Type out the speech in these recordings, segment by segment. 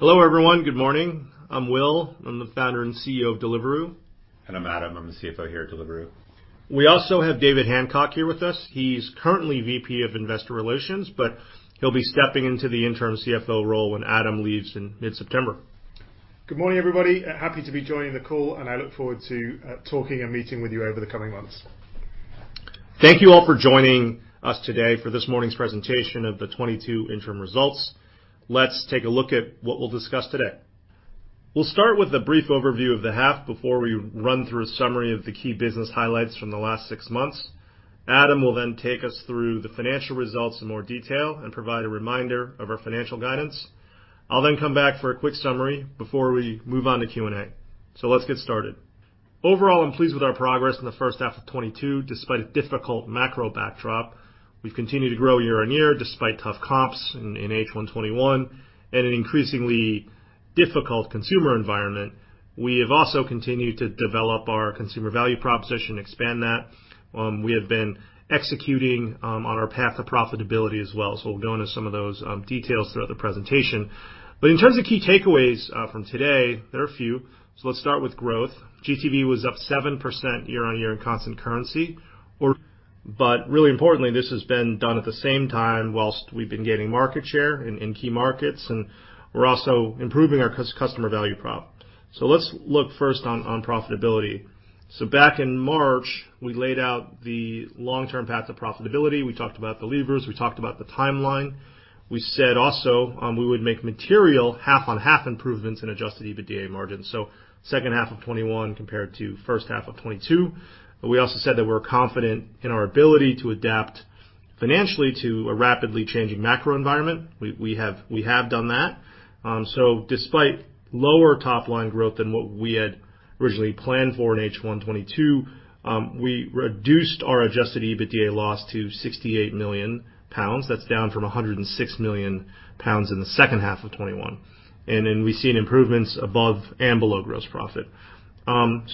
Hello everyone. Good morning. I'm Will, I'm the founder and CEO of Deliveroo. I'm Adam, I'm the CFO here at Deliveroo. We also have David Hancock here with us. He's currently VP of Investor Relations, but he'll be stepping into the interim CFO role when Adam leaves in mid-September. Good morning, everybody. Happy to be joining the call, and I look forward to talking and meeting with you over the coming months. Thank you all for joining us today for this morning's presentation of the 2022 interim results. Let's take a look at what we'll discuss today. We'll start with a brief overview of the half before we run through a summary of the key business highlights from the last six months. Adam will then take us through the financial results in more detail and provide a reminder of our financial guidance. I'll then come back for a quick summary before we move on to Q&A. Let's get started. Overall, I'm pleased with our progress in the first half of 2022, despite a difficult macro backdrop. We've continued to grow year-on-year, despite tough comps in H1 2021 and an increasingly difficult consumer environment. We have also continued to develop our consumer value proposition, expand that. We have been executing on our path to profitability as well. We'll go into some of those details throughout the presentation. In terms of key takeaways from today, there are a few. Let's start with growth. GTV was up 7% year-on-year in constant currency. Really importantly, this has been done at the same time while we've been gaining market share in key markets, and we're also improving our customer value prop. Let's look first on profitability. Back in March, we laid out the long-term path to profitability. We talked about the levers, we talked about the timeline. We said also we would make material half-on-half improvements in adjusted EBITDA margins, so second half of 2021 compared to first half of 2022. We also said that we're confident in our ability to adapt financially to a rapidly changing macro environment. We have done that. Despite lower top line growth than what we had originally planned for in H1 2022, we reduced our adjusted EBITDA loss to 68 million pounds. That's down from 106 million pounds in the second half of 2021. We've seen improvements above and below gross profit.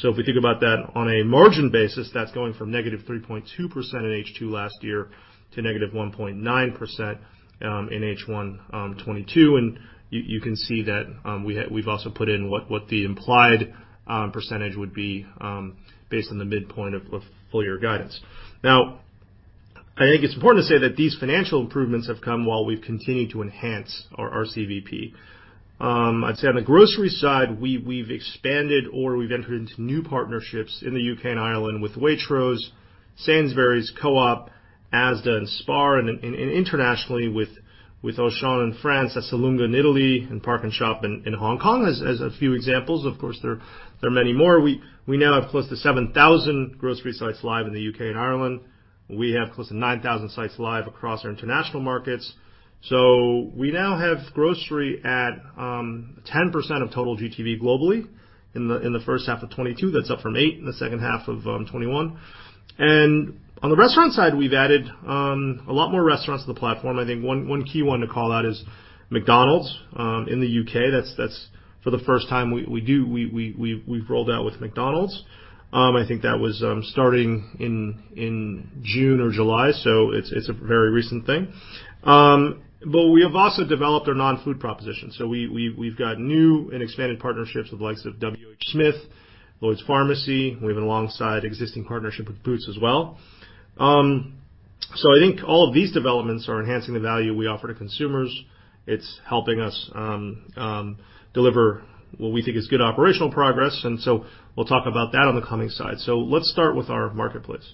If we think about that on a margin basis, that's going from -3.2% in H2 last year to -1.9% in H1 2022. You can see that we've also put in what the implied percentage would be based on the midpoint of full year guidance. Now, I think it's important to say that these financial improvements have come while we've continued to enhance our CVP. I'd say on the grocery side, we've expanded or we've entered into new partnerships in the U.K. and Ireland with Waitrose, Sainsbury's, Co-op, Asda, and Spar, and internationally with Auchan in France, Esselunga in Italy, and PARKnSHOP in Hong Kong as a few examples. Of course, there are many more. We now have close to 7,000 grocery sites live in the U.K. and Ireland. We have close to 9,000 sites live across our international markets. We now have grocery at 10% of total GTV globally in the first half of 2022. That's up from 8% in the second half of 2021. On the restaurant side, we've added a lot more restaurants to the platform. I think one key one to call out is McDonald's in the U.K. That's for the first time we've rolled out with McDonald's. I think that was starting in June or July, so it's a very recent thing. We have also developed our non-food proposition. We've got new and expanded partnerships with the likes of WHSmith, LloydsPharmacy. We have alongside existing partnership with Boots as well. I think all of these developments are enhancing the value we offer to consumers. It's helping us deliver what we think is good operational progress, and so we'll talk about that on the coming slides. Let's start with our marketplace.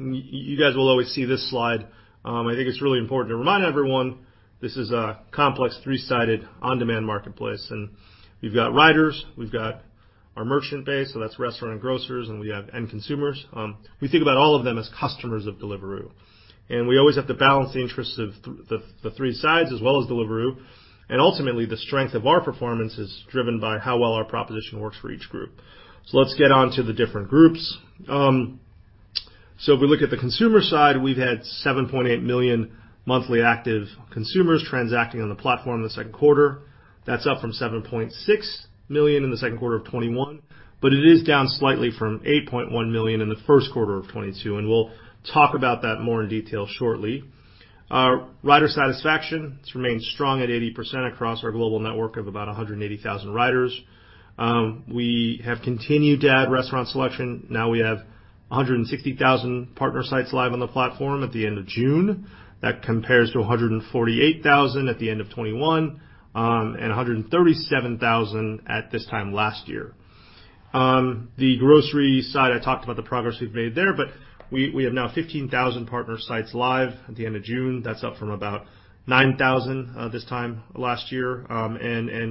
You guys will always see this slide. I think it's really important to remind everyone this is a complex three-sided on-demand marketplace. We've got riders, we've got our merchant base, so that's restaurant and grocers, and we have end consumers. We think about all of them as customers of Deliveroo, and we always have to balance the interests of the three sides as well as Deliveroo. Ultimately, the strength of our performance is driven by how well our proposition works for each group. Let's get on to the different groups. If we look at the consumer side, we've had 7.8 million monthly active consumers transacting on the platform in the second quarter. That's up from 7.6 million in the second quarter of 2021, but it is down slightly from 8.1 million in the first quarter of 2022, and we'll talk about that more in detail shortly. Our rider satisfaction has remained strong at 80% across our global network of about 180,000 riders. We have continued to add restaurant selection. Now we have 160,000 partner sites live on the platform at the end of June. That compares to 148,000 at the end of 2021, and 137,000 at this time last year. The grocery side, I talked about the progress we've made there, but we have now 15,000 partner sites live at the end of June. That's up from about 9,000 this time last year.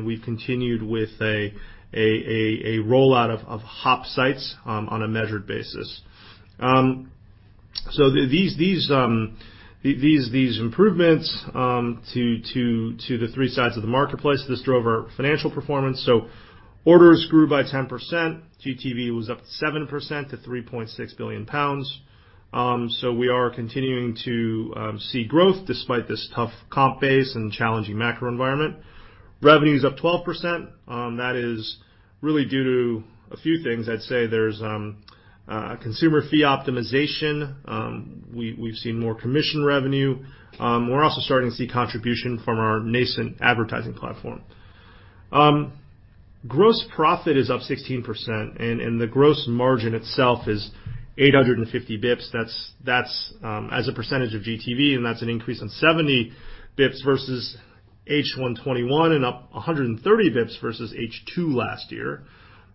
We've continued with a rollout of hub sites on a measured basis. These improvements to the three sides of the marketplace drove our financial performance. Orders grew by 10%. GTV was up 7% to 3.6 billion pounds. We are continuing to see growth despite this tough comp base and challenging macro environment. Revenue's up 12%. That is really due to a few things. I'd say there's consumer fee optimization. We've seen more commission revenue. We're also starting to see contribution from our nascent advertising platform. Gross profit is up 16% and the gross margin itself is 850 basis points. That's as a percentage of GTV, and that's an increase on 70 basis points versus H1 2021 and up 130 basis points versus H2 last year.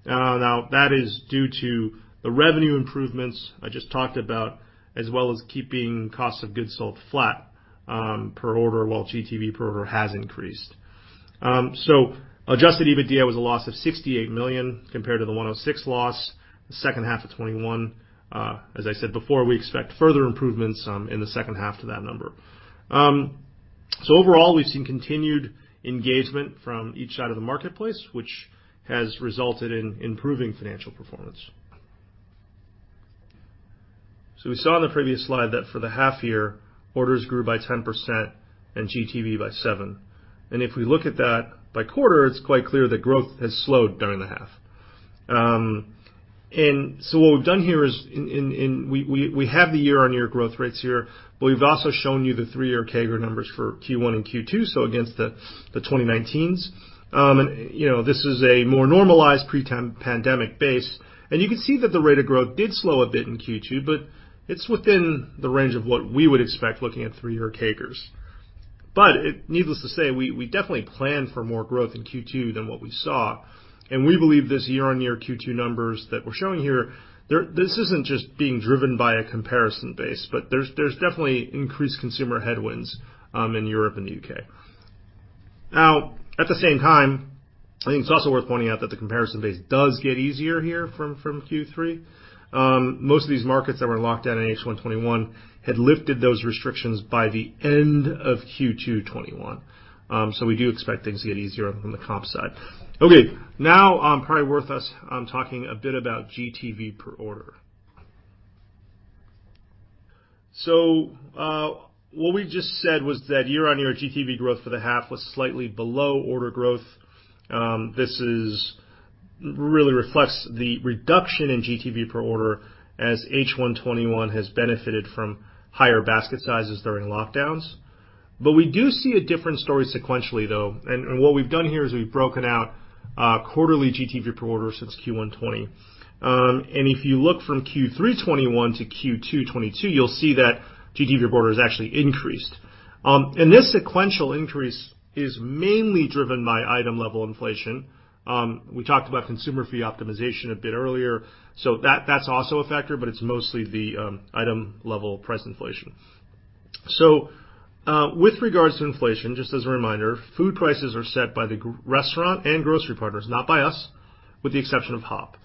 Now that is due to the revenue improvements I just talked about, as well as keeping cost of goods sold flat per order while GTV per order has increased. Adjusted EBITDA was a loss of 68 million compared to the 106 million loss, the second half of 2021. As I said before, we expect further improvements in the second half to that number. Overall, we've seen continued engagement from each side of the marketplace, which has resulted in improving financial performance. We saw in the previous slide that for the half year, orders grew by 10% and GTV by 7%. If we look at that by quarter, it's quite clear that growth has slowed during the half. What we've done here is we have the year-on-year growth rates here, but we've also shown you the three-year CAGR numbers for Q1 and Q2, so against the 2019s. You know, this is a more normalized pre-pandemic base, and you can see that the rate of growth did slow a bit in Q2, but it's within the range of what we would expect looking at three-year CAGRs. Needless to say, we definitely planned for more growth in Q2 than what we saw, and we believe this year-on-year Q2 numbers that we're showing here, this isn't just being driven by a comparison base, but there's definitely increased consumer headwinds in Europe and the U.K. Now, at the same time, I think it's also worth pointing out that the comparison base does get easier here from Q3. Most of these markets that were locked down in H1 2021 had lifted those restrictions by the end of Q2 2021. We do expect things to get easier on the comp side. Okay, now, probably worth us talking a bit about GTV per order. What we just said was that year-on-year GTV growth for the half was slightly below order growth. This really reflects the reduction in GTV per order as H1 2021 has benefited from higher basket sizes during lockdowns. We do see a different story sequentially, though. What we've done here is we've broken out quarterly GTV per order since Q1 2020. If you look from Q3 2021 to Q2 2022, you'll see that GTV per order has actually increased. This sequential increase is mainly driven by item-level inflation. We talked about consumer fee optimization a bit earlier, so that's also a factor, but it's mostly the item-level price inflation. With regards to inflation, just as a reminder, food prices are set by the restaurant and grocery partners, not by us, with the exception of HOP.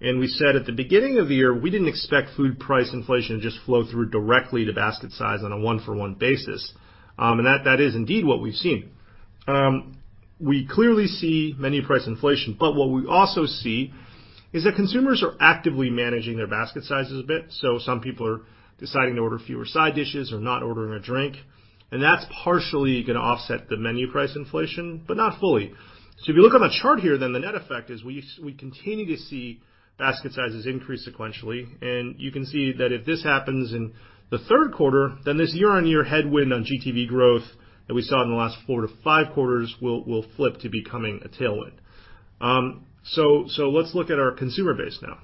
We said at the beginning of the year, we didn't expect food price inflation to just flow through directly to basket size on a one-for-one basis. That is indeed what we've seen. We clearly see menu price inflation, but what we also see is that consumers are actively managing their basket sizes a bit. Some people are deciding to order fewer side dishes or not ordering a drink, and that's partially gonna offset the menu price inflation, but not fully. If you look on the chart here, then the net effect is we continue to see basket sizes increase sequentially, and you can see that if this happens in the third quarter, then this year-on-year headwind on GTV growth that we saw in the last four to five quarters will flip to becoming a tailwind. Let's look at our consumer base now.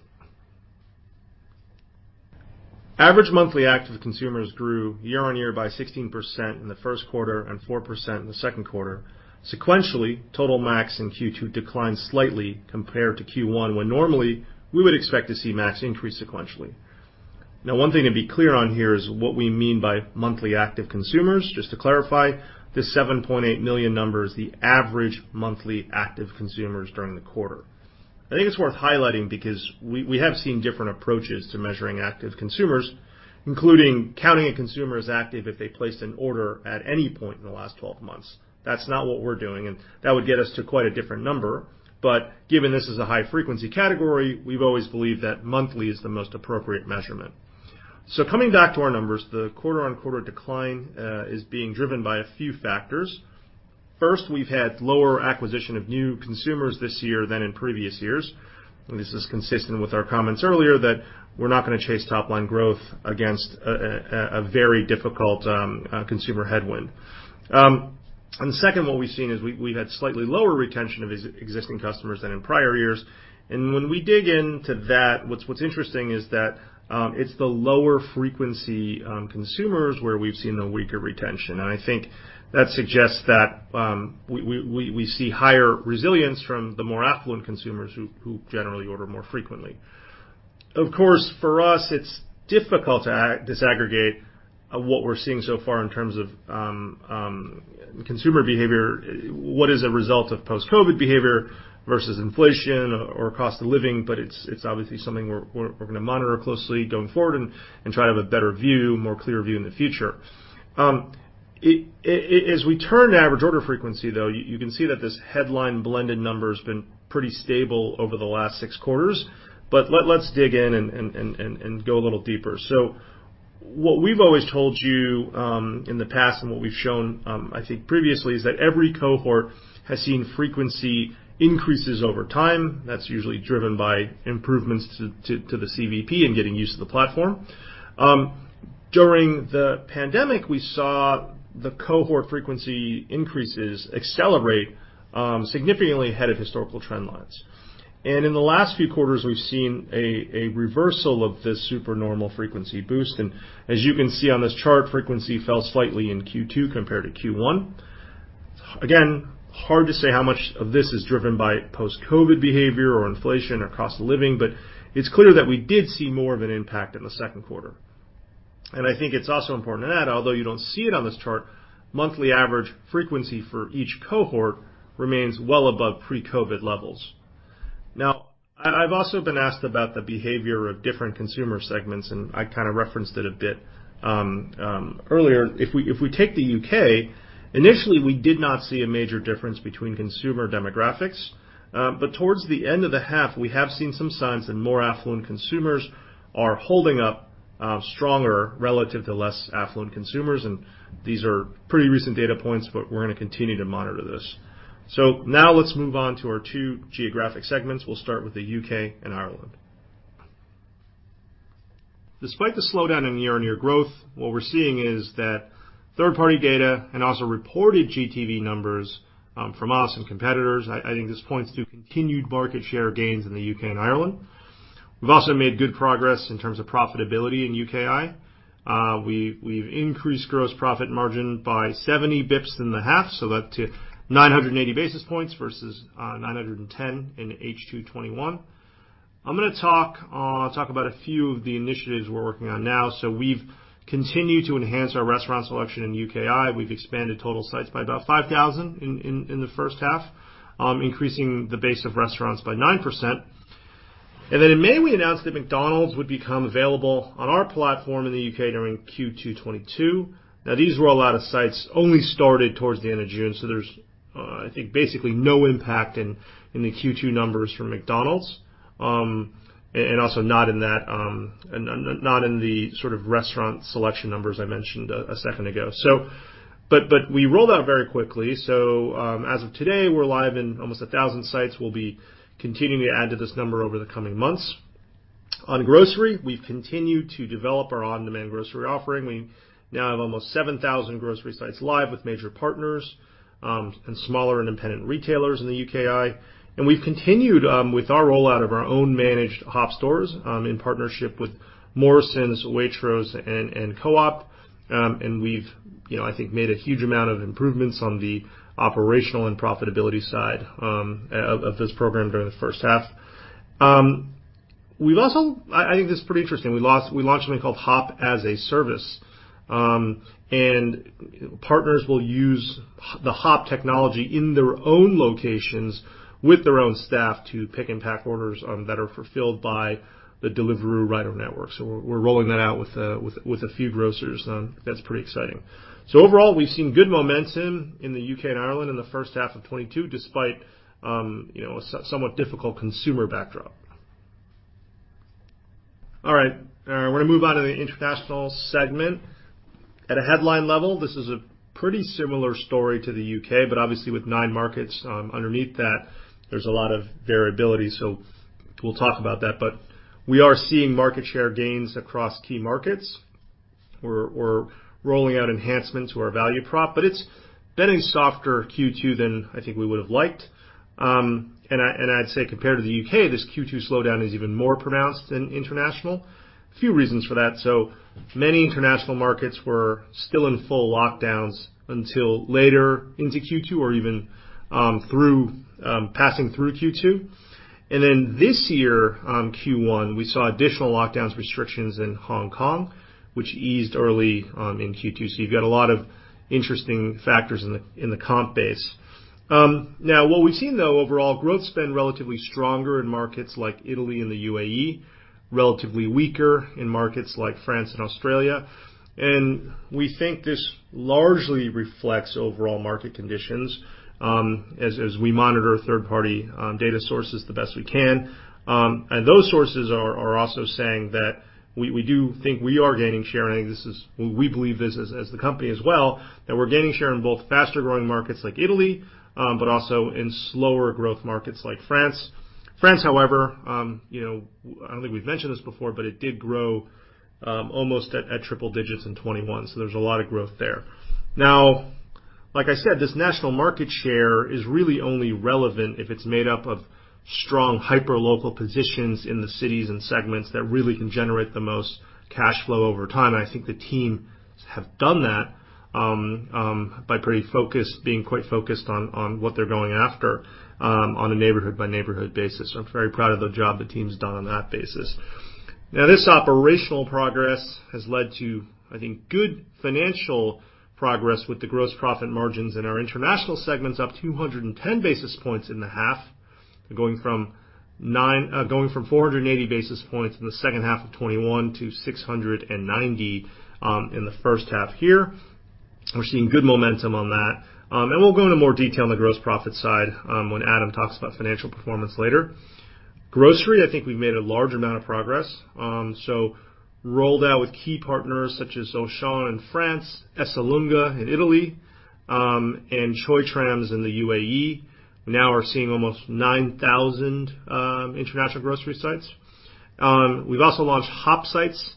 Average monthly active consumers grew year-on-year by 16% in the first quarter and 4% in the second quarter. Sequentially, total MAUs in Q2 declined slightly compared to Q1, when normally we would expect to see MAUs increase sequentially. Now, one thing to be clear on here is what we mean by monthly active consumers. Just to clarify, this 7.8 million number is the average monthly active consumers during the quarter. I think it's worth highlighting because we have seen different approaches to measuring active consumers, including counting a consumer as active if they placed an order at any point in the last 12 months. That's not what we're doing, and that would get us to quite a different number. Given this is a high-frequency category, we've always believed that monthly is the most appropriate measurement. Coming back to our numbers, the quarter-on-quarter decline is being driven by a few factors. First, we've had lower acquisition of new consumers this year than in previous years. This is consistent with our comments earlier that we're not gonna chase top-line growth against a very difficult consumer headwind. Second, what we've seen is we've had slightly lower retention of existing customers than in prior years. When we dig into that, what's interesting is that it's the lower frequency consumers where we've seen the weaker retention. I think that suggests that we see higher resilience from the more affluent consumers who generally order more frequently. Of course, for us, it's difficult to disaggregate what we're seeing so far in terms of consumer behavior, what is a result of post-COVID behavior versus inflation or cost of living, but it's obviously something we're gonna monitor closely going forward and try to have a better view, more clear view in the future. As we turn to average order frequency though, you can see that this headline blended number's been pretty stable over the last six quarters, but let's dig in and go a little deeper. What we've always told you in the past and what we've shown, I think previously, is that every cohort has seen frequency increases over time. That's usually driven by improvements to the CVP and getting used to the platform. During the pandemic, we saw the cohort frequency increases accelerate significantly ahead of historical trend lines. In the last few quarters, we've seen a reversal of this supernormal frequency boost. As you can see on this chart, frequency fell slightly in Q2 compared to Q1. Again, hard to say how much of this is driven by post-COVID behavior or inflation or cost of living, but it's clear that we did see more of an impact in the second quarter. I think it's also important to add, although you don't see it on this chart, monthly average frequency for each cohort remains well above pre-COVID levels. Now, I've also been asked about the behavior of different consumer segments, and I kind of referenced it a bit earlier. If we take the U.K., initially we did not see a major difference between consumer demographics, but towards the end of the half, we have seen some signs that more affluent consumers are holding up stronger relative to less affluent consumers. These are pretty recent data points, but we're gonna continue to monitor this. Now let's move on to our two geographic segments. We'll start with the U.K. and Ireland. Despite the slowdown in year-on-year growth, what we're seeing is that third-party data and also reported GTV numbers from us and competitors, I think this points to continued market share gains in the U.K. and Ireland. We've also made good progress in terms of profitability in UKI. We've increased gross profit margin by 70 basis points in the half, so that to 980 basis points versus 910 in H2 2021. I'm gonna talk about a few of the initiatives we're working on now. We've continued to enhance our restaurant selection in UKI. We've expanded total sites by about 5,000 in the first half, increasing the base of restaurants by 9%. Then in May, we announced that McDonald's would become available on our platform in the U.K. during Q2 2022. Now, the rollout of sites only started towards the end of June, so there's, I think, basically no impact in the Q2 numbers from McDonald's, and also not in that, not in the sort of restaurant selection numbers I mentioned a second ago. We rolled out very quickly. As of today, we're live in almost 1,000 sites. We'll be continuing to add to this number over the coming months. On grocery, we've continued to develop our on-demand grocery offering. We now have almost 7,000 grocery sites live with major partners and smaller independent retailers in the UKI. We've continued with our rollout of our own managed HOP stores in partnership with Morrisons, Waitrose, and Co-op. We've, you know, I think, made a huge amount of improvements on the operational and profitability side of this program during the first half. We've also. I think this is pretty interesting. We launched something called HOP as a service. Partners will use the HOP technology in their own locations with their own staff to pick and pack orders that are fulfilled by the Deliveroo rider network. We're rolling that out with a few grocers. That's pretty exciting. Overall, we've seen good momentum in the U.K. and Ireland in the first half of 2022, despite you know, a somewhat difficult consumer backdrop. All right. We're gonna move on to the international segment. At a headline level, this is a pretty similar story to the U.K., but obviously with nine markets underneath that, there's a lot of variability, so we'll talk about that. We are seeing market share gains across key markets. We're rolling out enhancements to our value prop, but it's been a softer Q2 than I think we would have liked. I'd say compared to the U.K., this Q2 slowdown is even more pronounced in international. A few reasons for that. Many international markets were still in full lockdowns until later into Q2 or even passing through Q2. Then this year, Q1, we saw additional lockdown restrictions in Hong Kong, which eased early in Q2. You've got a lot of interesting factors in the comp base. Now, what we've seen, though, overall, growth's been relatively stronger in markets like Italy and the UAE, relatively weaker in markets like France and Australia. We think this largely reflects overall market conditions, as we monitor third-party data sources the best we can. Those sources are also saying that we do think we are gaining share. We believe this, as the company as well, that we're gaining share in both faster-growing markets like Italy, but also in slower growth markets like France. France, however, you know, I don't think we've mentioned this before, but it did grow almost at triple digits in 2021. There's a lot of growth there. Now, like I said, this national market share is really only relevant if it's made up of strong, hyper-local positions in the cities and segments that really can generate the most cash flow over time. I think the teams have done that by being quite focused on what they're going after on a neighborhood-by-neighborhood basis. I'm very proud of the job the team's done on that basis. Now, this operational progress has led to, I think, good financial progress with the gross profit margins in our international segments up 210 basis points in the half, going from 480 basis points in the second half of 2021 to 690 in the first half here. We're seeing good momentum on that. We'll go into more detail on the gross profit side when Adam talks about financial performance later. Grocery, I think we've made a large amount of progress. Rolled out with key partners such as Auchan in France, Esselunga in Italy, and Choithrams in the UAE. Now we're seeing almost 9,000 international grocery sites. We've also launched HOP sites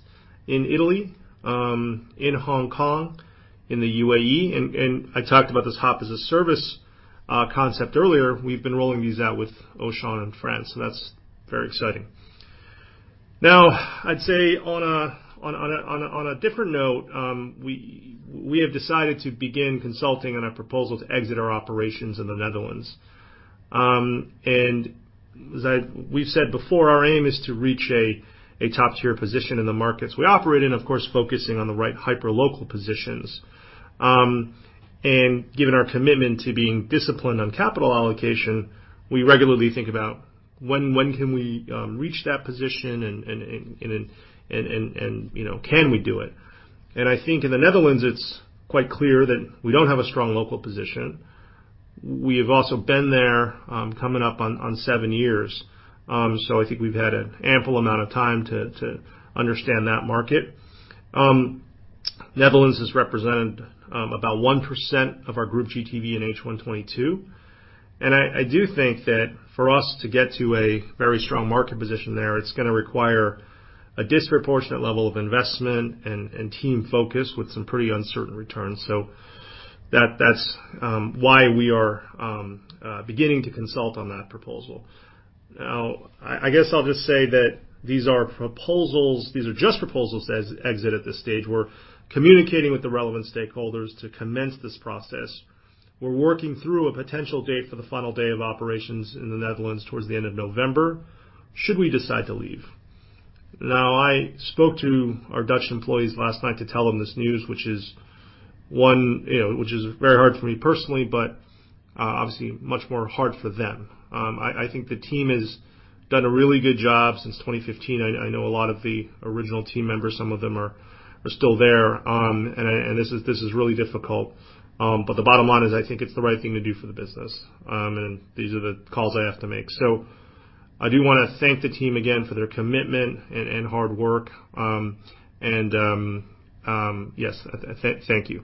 in Italy, in Hong Kong, in the UAE, and I talked about this HOP as a service concept earlier. We've been rolling these out with Auchan in France, so that's very exciting. Now, I'd say on a different note, we have decided to begin consulting on a proposal to exit our operations in the Netherlands. As we've said before, our aim is to reach a top-tier position in the markets we operate in, of course, focusing on the right hyperlocal positions. Given our commitment to being disciplined on capital allocation, we regularly think about when can we reach that position and, you know, can we do it? I think in the Netherlands, it's quite clear that we don't have a strong local position. We have also been there, coming up on seven years, so I think we've had an ample amount of time to understand that market. Netherlands has represented about 1% of our group GTV in H1 2022. I do think that for us to get to a very strong market position there, it's gonna require a disproportionate level of investment and team focus with some pretty uncertain returns. That's why we are beginning to consult on that proposal. Now, I guess I'll just say that these are just proposals for exit at this stage. We're communicating with the relevant stakeholders to commence this process. We're working through a potential date for the final day of operations in the Netherlands towards the end of November, should we decide to leave. Now, I spoke to our Dutch employees last night to tell them this news, which is one, you know, which is very hard for me personally, but, obviously much more hard for them. I think the team has done a really good job since 2015. I know a lot of the original team members, some of them are still there, and this is really difficult. The bottom line is, I think it's the right thing to do for the business, and these are the calls I have to make. I do wanna thank the team again for their commitment and hard work, and yes, thank you.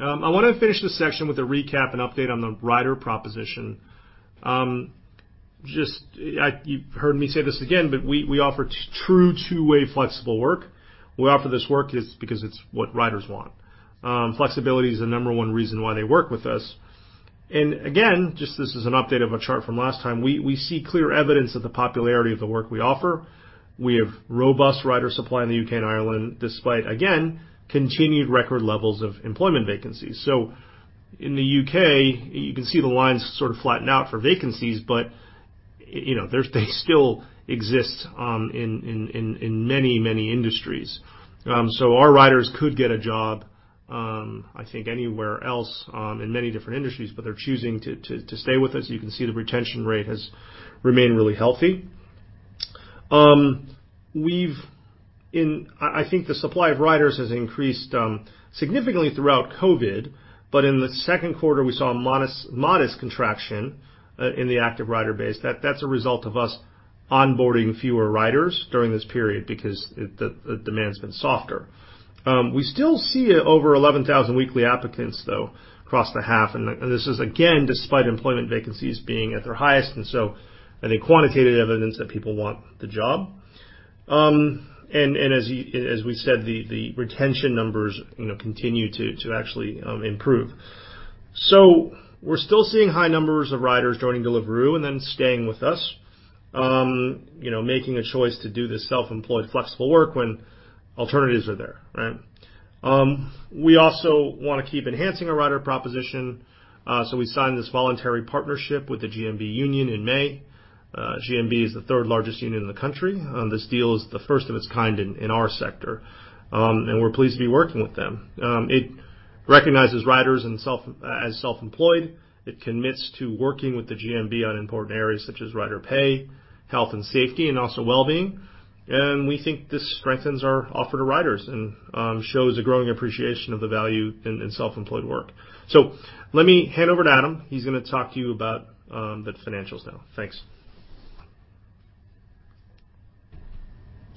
I wanna finish this section with a recap and update on the rider proposition. Just, you've heard me say this again, but we offer true two-way flexible work. We offer this work because it's what riders want. Flexibility is the number one reason why they work with us. Again, just this is an update of a chart from last time. We see clear evidence of the popularity of the work we offer. We have robust rider supply in the U.K. and Ireland, despite, again, continued record levels of employment vacancies. In the U.K., you can see the lines sort of flatten out for vacancies, but, you know, they still exist in many industries. Our riders could get a job, I think anywhere else, in many different industries, but they're choosing to stay with us. You can see the retention rate has remained really healthy. I think the supply of riders has increased significantly throughout COVID, but in the second quarter, we saw a modest contraction in the active rider base. That's a result of us onboarding fewer riders during this period because the demand's been softer. We still see over 11,000 weekly applicants, though, across the half, and this is again, despite employment vacancies being at their highest, and so I think quantitative evidence that people want the job. As we said, the retention numbers, you know, continue to actually improve. We're still seeing high numbers of riders joining Deliveroo and then staying with us, you know, making a choice to do this self-employed flexible work when alternatives are there, right? We also wanna keep enhancing our rider proposition, so we signed this voluntary partnership with the GMB Union in May. GMB is the third largest union in the country. This deal is the first of its kind in our sector, and we're pleased to be working with them. It recognizes riders as self-employed, it commits to working with the GMB on important areas such as rider pay, health and safety, and also well-being. We think this strengthens our offer to riders and shows a growing appreciation of the value in self-employed work. Let me hand over to Adam. He's gonna talk to you about the financials now. Thanks.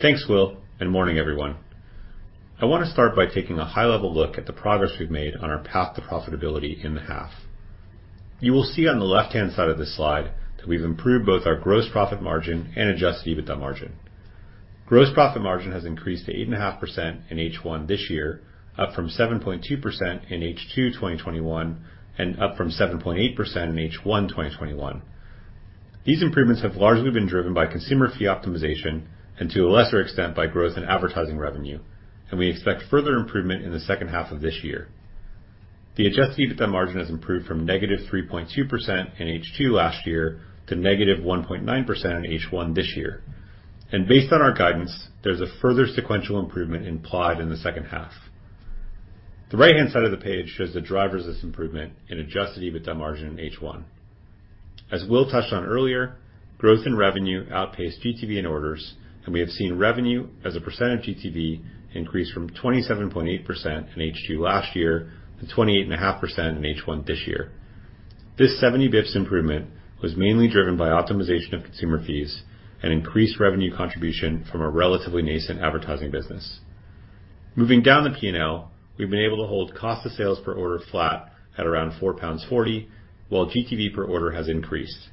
Thanks, Will, and morning, everyone. I wanna start by taking a high-level look at the progress we've made on our path to profitability in the half. You will see on the left-hand side of this slide that we've improved both our gross profit margin and adjusted EBITDA margin. Gross profit margin has increased to 8.5% in H1 this year, up from 7.2% in H2 2021, and up from 7.8% in H1 2021. These improvements have largely been driven by consumer fee optimization and to a lesser extent by growth in advertising revenue, and we expect further improvement in the second half of this year. The adjusted EBITDA margin has improved from -3.2% in H2 last year to -1.9% in H1 this year. Based on our guidance, there's a further sequential improvement implied in the second half. The right-hand side of the page shows the drivers of this improvement in adjusted EBITDA margin in H1. As Will touched on earlier, growth in revenue outpaced GTV and orders, and we have seen revenue as a percent of GTV increase from 27.8% in H2 last year to 28.5% in H1 this year. This 70 basis points improvement was mainly driven by optimization of consumer fees and increased revenue contribution from a relatively nascent advertising business. Moving down the P&L, we've been able to hold cost of sales per order flat at around 4.40 pounds, while GTV per order has increased.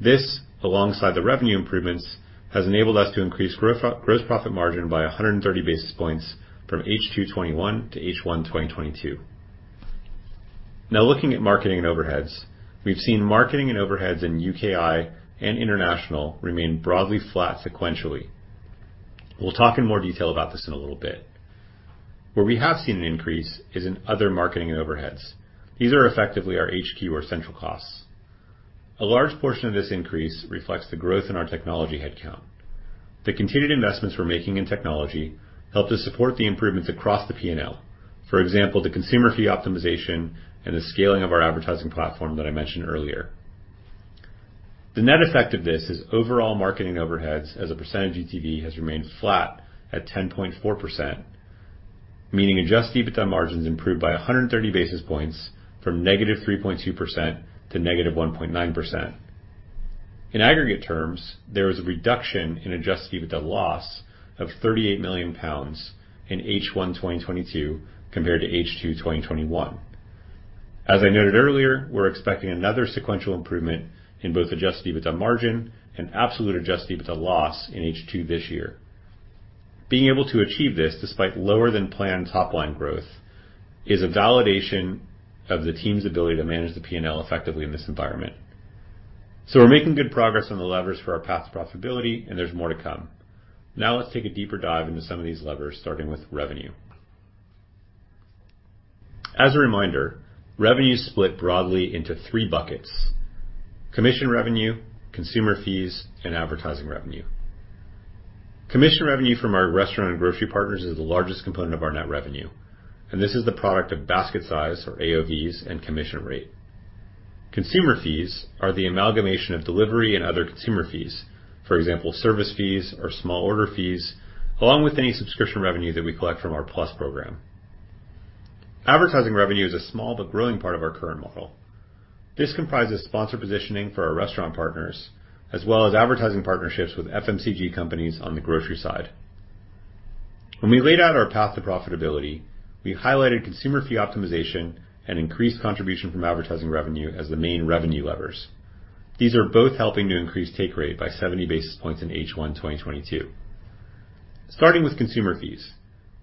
This, alongside the revenue improvements, has enabled us to increase gross profit margin by 130 basis points from H2 2021 to H1 2022. Now looking at marketing and overheads. We've seen marketing and overheads in UKI and international remain broadly flat sequentially. We'll talk in more detail about this in a little bit. Where we have seen an increase is in other marketing and overheads. These are effectively our HQ or central costs. A large portion of this increase reflects the growth in our technology headcount. The continued investments we're making in technology help to support the improvements across the P&L. For example, the consumer fee optimization and the scaling of our advertising platform that I mentioned earlier. The net effect of this is overall marketing overheads as a percentage of GTV has remained flat at 10.4%, meaning adjusted EBITDA margins improved by 130 basis points from -3.2% to -1.9%. In aggregate terms, there was a reduction in adjusted EBITDA loss of 38 million pounds in H1 2022 compared to H2 2021. As I noted earlier, we're expecting another sequential improvement in both adjusted EBITDA margin and absolute adjusted EBITDA loss in H2 this year. Being able to achieve this despite lower than planned top line growth is a validation of the team's ability to manage the P&L effectively in this environment. We're making good progress on the levers for our path to profitability, and there's more to come. Now let's take a deeper dive into some of these levers, starting with revenue. As a reminder, revenue is split broadly into three buckets, commission revenue, consumer fees, and advertising revenue. Commission revenue from our restaurant and grocery partners is the largest component of our net revenue, and this is the product of basket size or AOVs and commission rate. Consumer fees are the amalgamation of delivery and other consumer fees. For example, service fees or small order fees, along with any subscription revenue that we collect from our Plus program. Advertising revenue is a small but growing part of our current model. This comprises sponsored positioning for our restaurant partners, as well as advertising partnerships with FMCG companies on the grocery side. When we laid out our path to profitability, we highlighted consumer fee optimization and increased contribution from advertising revenue as the main revenue levers. These are both helping to increase take rate by 70 basis points in H1 2022. Starting with consumer fees.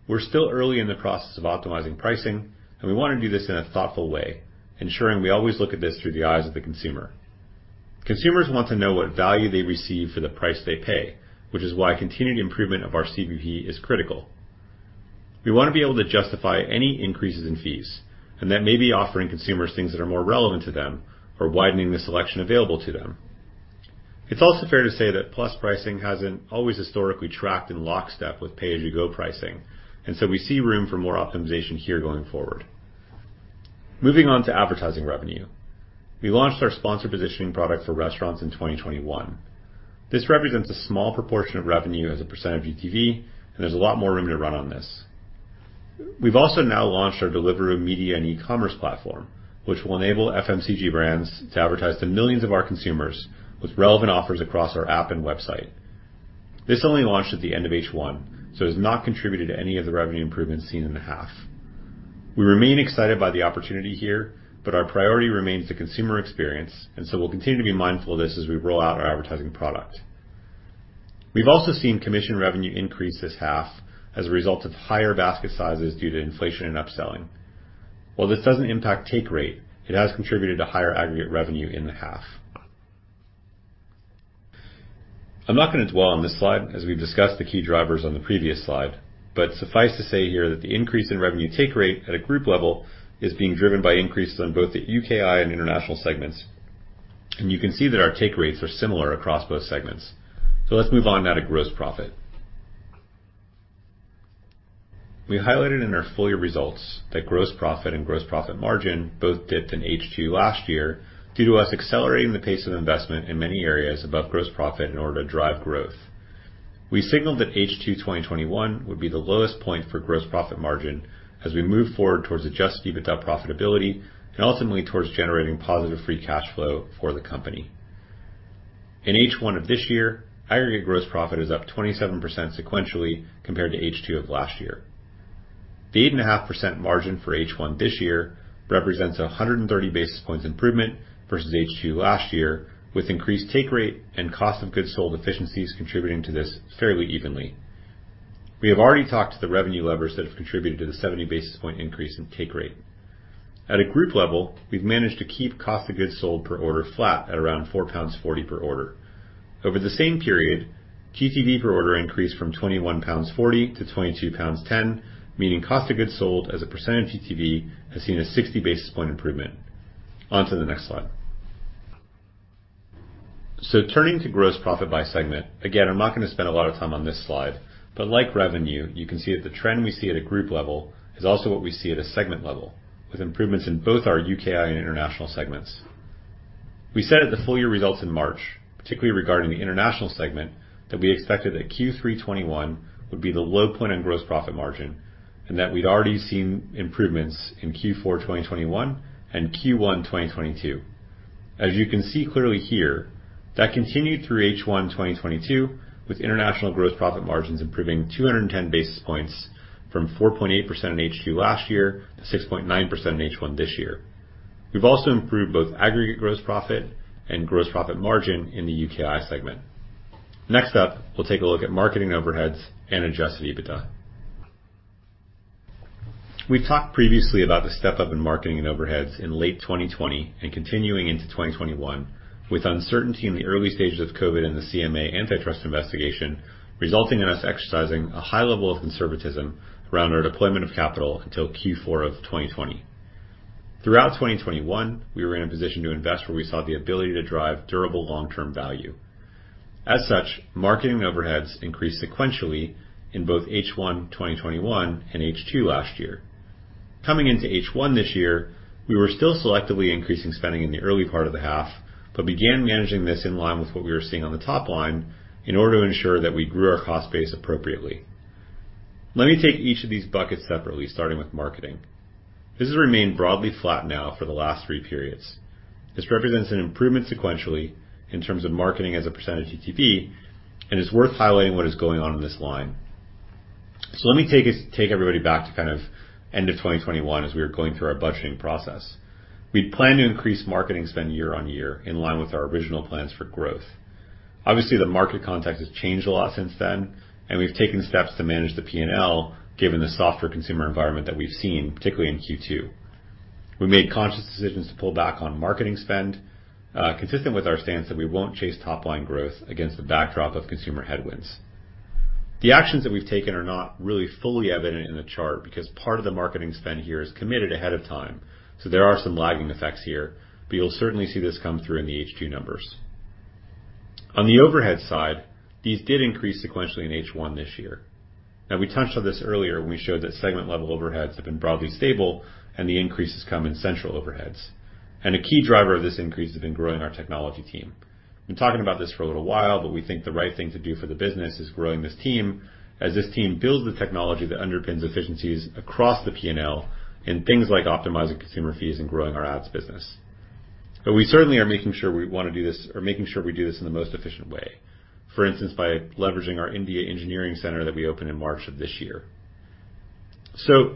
We're still early in the process of optimizing pricing, and we wanna do this in a thoughtful way, ensuring we always look at this through the eyes of the consumer. Consumers want to know what value they receive for the price they pay, which is why continued improvement of our CVP is critical. We wanna be able to justify any increases in fees, and that may be offering consumers things that are more relevant to them or widening the selection available to them. It's also fair to say that Plus pricing hasn't always historically tracked in lockstep with pay-as-you-go pricing, and so we see room for more optimization here going forward. Moving on to advertising revenue. We launched our sponsor positioning product for restaurants in 2021. This represents a small proportion of revenue as a percent of GTV, and there's a lot more room to run on this. We've also now launched our Deliveroo Media and Ecommerce Platform, which will enable FMCG brands to advertise to millions of our consumers with relevant offers across our app and website. This only launched at the end of H1, so has not contributed to any of the revenue improvements seen in the half. We remain excited by the opportunity here, but our priority remains the consumer experience, and so we'll continue to be mindful of this as we roll out our advertising product. We've also seen commission revenue increase this half as a result of higher basket sizes due to inflation and upselling. While this doesn't impact take rate, it has contributed to higher aggregate revenue in the half. I'm not gonna dwell on this slide as we've discussed the key drivers on the previous slide, but suffice to say here that the increase in revenue take rate at a group level is being driven by increases on both the UKI and international segments, and you can see that our take rates are similar across both segments. Let's move on now to gross profit. We highlighted in our full year results that gross profit and gross profit margin both dipped in H2 last year due to us accelerating the pace of investment in many areas above gross profit in order to drive growth. We signaled that H2 2021 would be the lowest point for gross profit margin as we move forward towards adjusted EBITDA profitability and ultimately towards generating positive free cash flow for the company. In H1 of this year, aggregate gross profit is up 27% sequentially compared to H2 of last year. The 8.5% margin for H1 this year represents a 130 basis points improvement versus H2 last year, with increased take rate and cost of goods sold efficiencies contributing to this fairly evenly. We have already talked to the revenue levers that have contributed to the 70 basis point increase in take rate. At a group level, we've managed to keep cost of goods sold per order flat at around 4.40 pounds per order. Over the same period, GTV per order increased from 21.40 pounds to 22.10 pounds, meaning cost of goods sold as a percent of GTV has seen a 60 basis point improvement. On to the next slide. Turning to gross profit by segment. Again, I'm not gonna spend a lot of time on this slide, but like revenue, you can see that the trend we see at a group level is also what we see at a segment level, with improvements in both our UKI and international segments. We said at the full year results in March, particularly regarding the international segment, that we expected that Q3 2021 would be the low point in gross profit margin and that we'd already seen improvements in Q4 2021 and Q1 2022. As you can see clearly here, that continued through H1 2022, with international gross profit margins improving 210 basis points from 4.8% in H2 last year to 6.9% in H1 this year. We've also improved both aggregate gross profit and gross profit margin in the UKI segment. Next up, we'll take a look at marketing overheads and Adjusted EBITDA. We've talked previously about the step-up in marketing and overheads in late 2020 and continuing into 2021, with uncertainty in the early stages of COVID and the CMA antitrust investigation, resulting in us exercising a high level of conservatism around our deployment of capital until Q4 of 2020. Throughout 2021, we were in a position to invest where we saw the ability to drive durable long-term value. As such, marketing overheads increased sequentially in both H1 2021 and H2 last year. Coming into H1 this year, we were still selectively increasing spending in the early part of the half, but began managing this in line with what we were seeing on the top line in order to ensure that we grew our cost base appropriately. Let me take each of these buckets separately, starting with marketing. This has remained broadly flat now for the last three periods. This represents an improvement sequentially in terms of marketing as a percent of GTV, and it's worth highlighting what is going on in this line. Let me take everybody back to kind of end of 2021 as we were going through our budgeting process. We plan to increase marketing spend year-on-year in line with our original plans for growth. Obviously, the market context has changed a lot since then, and we've taken steps to manage the P&L, given the softer consumer environment that we've seen, particularly in Q2. We made conscious decisions to pull back on marketing spend, consistent with our stance that we won't chase top-line growth against the backdrop of consumer headwinds. The actions that we've taken are not really fully evident in the chart because part of the marketing spend here is committed ahead of time. There are some lagging effects here, but you'll certainly see this come through in the H2 numbers. On the overhead side, these did increase sequentially in H1 this year. Now, we touched on this earlier when we showed that segment-level overheads have been broadly stable and the increases come in central overheads. A key driver of this increase has been growing our technology team. We've been talking about this for a little while, but we think the right thing to do for the business is growing this team as this team builds the technology that underpins efficiencies across the P&L in things like optimizing consumer fees and growing our ads business. We certainly are making sure we do this in the most efficient way, for instance, by leveraging our India engineering center that we opened in March of this year.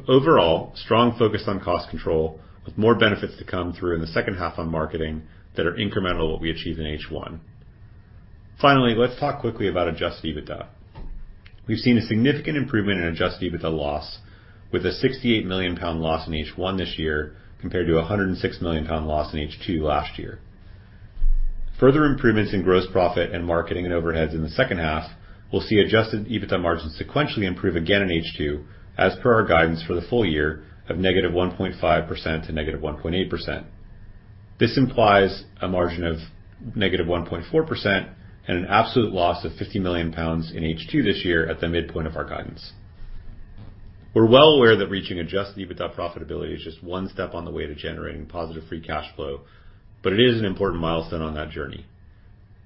Overall, strong focus on cost control with more benefits to come through in the second half on marketing that are incremental to what we achieve in H1. Finally, let's talk quickly about adjusted EBITDA. We've seen a significant improvement in adjusted EBITDA loss with a 68 million pound loss in H1 this year compared to a 106 million pound loss in H2 last year. Further improvements in gross profit and marketing and overheads in the second half, we'll see adjusted EBITDA margins sequentially improve again in H2 as per our guidance for the full year of -1.5% to -1.8%. This implies a margin of -1.4% and an absolute loss of 50 million pounds in H2 this year at the midpoint of our guidance. We're well aware that reaching adjusted EBITDA profitability is just one step on the way to generating positive free cash flow, but it is an important milestone on that journey.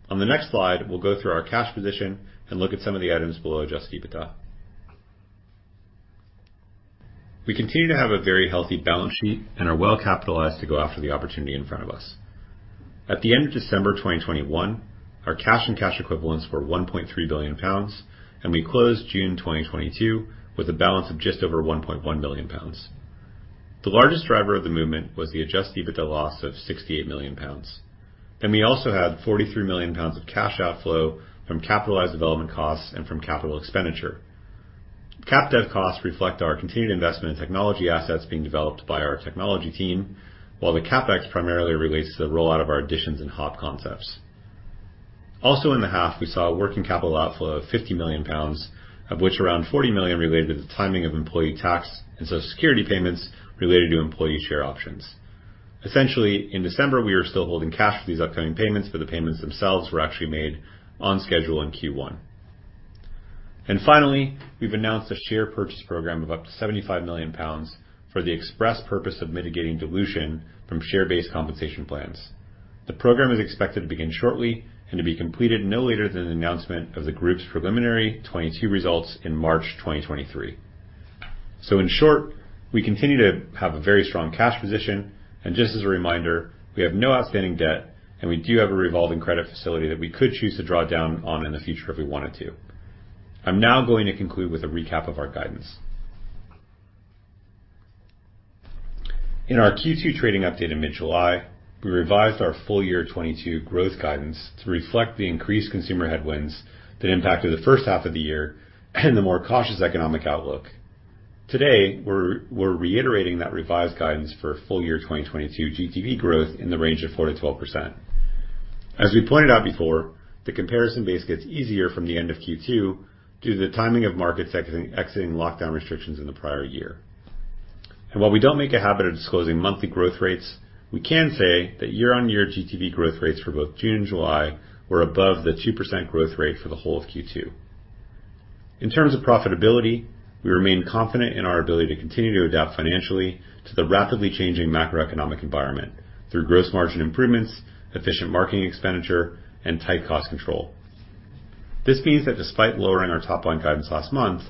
On the next slide, we'll go through our cash position and look at some of the items below adjusted EBITDA. We continue to have a very healthy balance sheet and are well capitalized to go after the opportunity in front of us. At the end of December 2021, our cash and cash equivalents were 1.3 billion pounds, and we closed June 2022 with a balance of just over 1.1 billion pounds. The largest driver of the movement was the adjusted EBITDA loss of 68 million pounds. We also had 43 million pounds of cash outflow from capitalized development costs and from capital expenditure. Cap dev costs reflect our continued investment in technology assets being developed by our technology team, while the CapEx primarily relates to the rollout of our Editions and HOP concepts. Also in the half, we saw a working capital outflow of 50 million pounds, of which around 40 million related to the timing of employee tax and Social Security payments related to employee share options. Essentially, in December, we were still holding cash for these upcoming payments, but the payments themselves were actually made on schedule in Q1. Finally, we've announced a share purchase program of up to 75 million pounds for the express purpose of mitigating dilution from share-based compensation plans. The program is expected to begin shortly and to be completed no later than the announcement of the group's preliminary 2022 results in March 2023. In short, we continue to have a very strong cash position, and just as a reminder, we have no outstanding debt, and we do have a revolving credit facility that we could choose to draw down on in the future if we wanted to. I'm now going to conclude with a recap of our guidance. In our Q2 trading update in mid-July, we revised our full year 2022 growth guidance to reflect the increased consumer headwinds that impacted the first half of the year and the more cautious economic outlook. Today, we're reiterating that revised guidance for full year 2022 GTV growth in the range of 4%-12%. As we pointed out before, the comparison base gets easier from the end of Q2 due to the timing of markets exiting lockdown restrictions in the prior year. While we don't make a habit of disclosing monthly growth rates, we can say that year-on-year GTV growth rates for both June and July were above the 2% growth rate for the whole of Q2. In terms of profitability, we remain confident in our ability to continue to adapt financially to the rapidly changing macroeconomic environment through gross margin improvements, efficient marketing expenditure, and tight cost control. This means that despite lowering our top line guidance last month,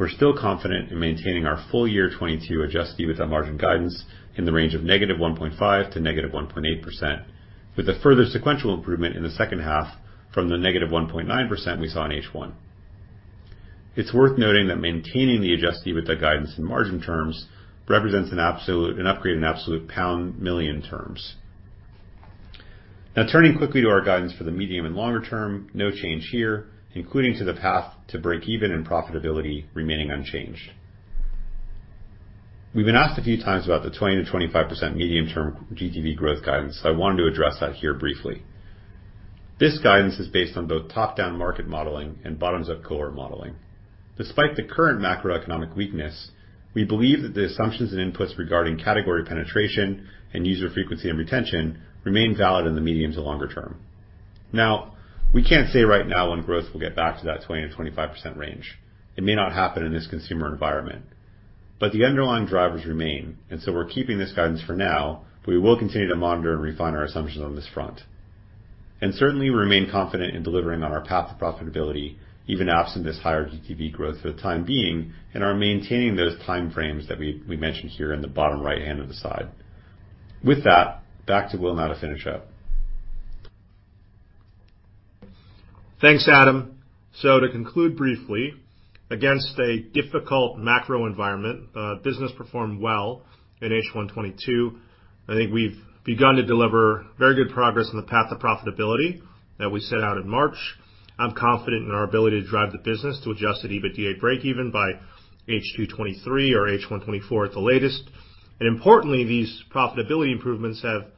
we're still confident in maintaining our full year 2022 adjusted EBITDA margin guidance in the range of -1.5% to -1.8%, with a further sequential improvement in the second half from the -1.9% we saw in H1. It's worth noting that maintaining the adjusted EBITDA guidance in margin terms represents an upgrade in absolute pound million terms. Now turning quickly to our guidance for the medium and longer term, no change here, including to the path to break even and profitability remaining unchanged. We've been asked a few times about the 20%-25% medium-term GTV growth guidance. I wanted to address that here briefly. This guidance is based on both top-down market modeling and bottoms-up cohort modeling. Despite the current macroeconomic weakness, we believe that the assumptions and inputs regarding category penetration and user frequency and retention remain valid in the medium to longer term. Now, we can't say right now when growth will get back to that 20%-25% range. It may not happen in this consumer environment, but the underlying drivers remain, and we're keeping this guidance for now, but we will continue to monitor and refine our assumptions on this front. Certainly, we remain confident in delivering on our path to profitability, even absent this higher GTV growth for the time being, and are maintaining those time frames that we mentioned here in the bottom right-hand of the slide. With that, back to Will now to finish up. Thanks, Adam. To conclude briefly, against a difficult macro environment, business performed well in H1 2022. I think we've begun to deliver very good progress on the path to profitability that we set out in March. I'm confident in our ability to drive the business to adjusted EBITDA breakeven by H2 2023 or H1 2024 at the latest. Importantly, these profitability improvements have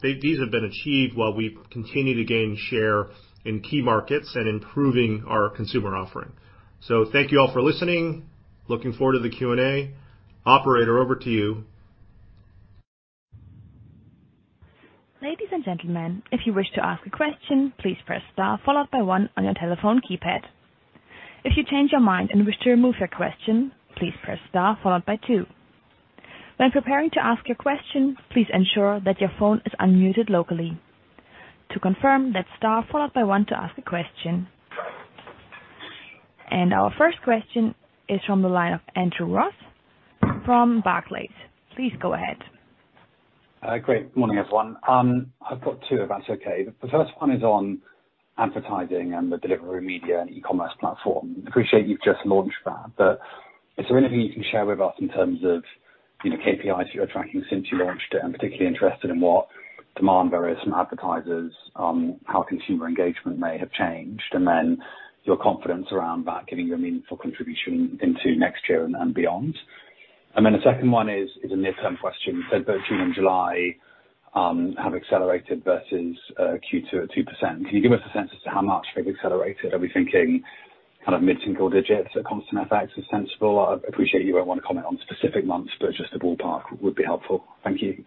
been achieved while we continue to gain share in key markets and improving our consumer offering. Thank you all for listening. Looking forward to the Q&A. Operator, over to you. Ladies and gentlemen, if you wish to ask a question, please press star followed by one on your telephone keypad. If you change your mind and wish to remove your question, please press star followed by two. When preparing to ask your question, please ensure that your phone is unmuted locally. To confirm, that's star followed by one to ask a question. Our first question is from the line of Andrew Ross from Barclays. Please go ahead. Great morning, everyone. I've got two if that's okay. The first one is on advertising and the Deliveroo Media and Ecommerce Platform. Appreciate you've just launched that, but is there anything you can share with us in terms of, you know, KPIs you're tracking since you launched it? I'm particularly interested in what demand there is from advertisers, how consumer engagement may have changed, and then your confidence around that giving you a meaningful contribution into next year and beyond. The second one is a near-term question. You said both June and July have accelerated versus Q2 at 2%. Can you give us a sense as to how much they've accelerated? Are we thinking kind of mid-single digits at constant FX is sensible? I appreciate you won't wanna comment on specific months, but just a ballpark would be helpful. Thank you.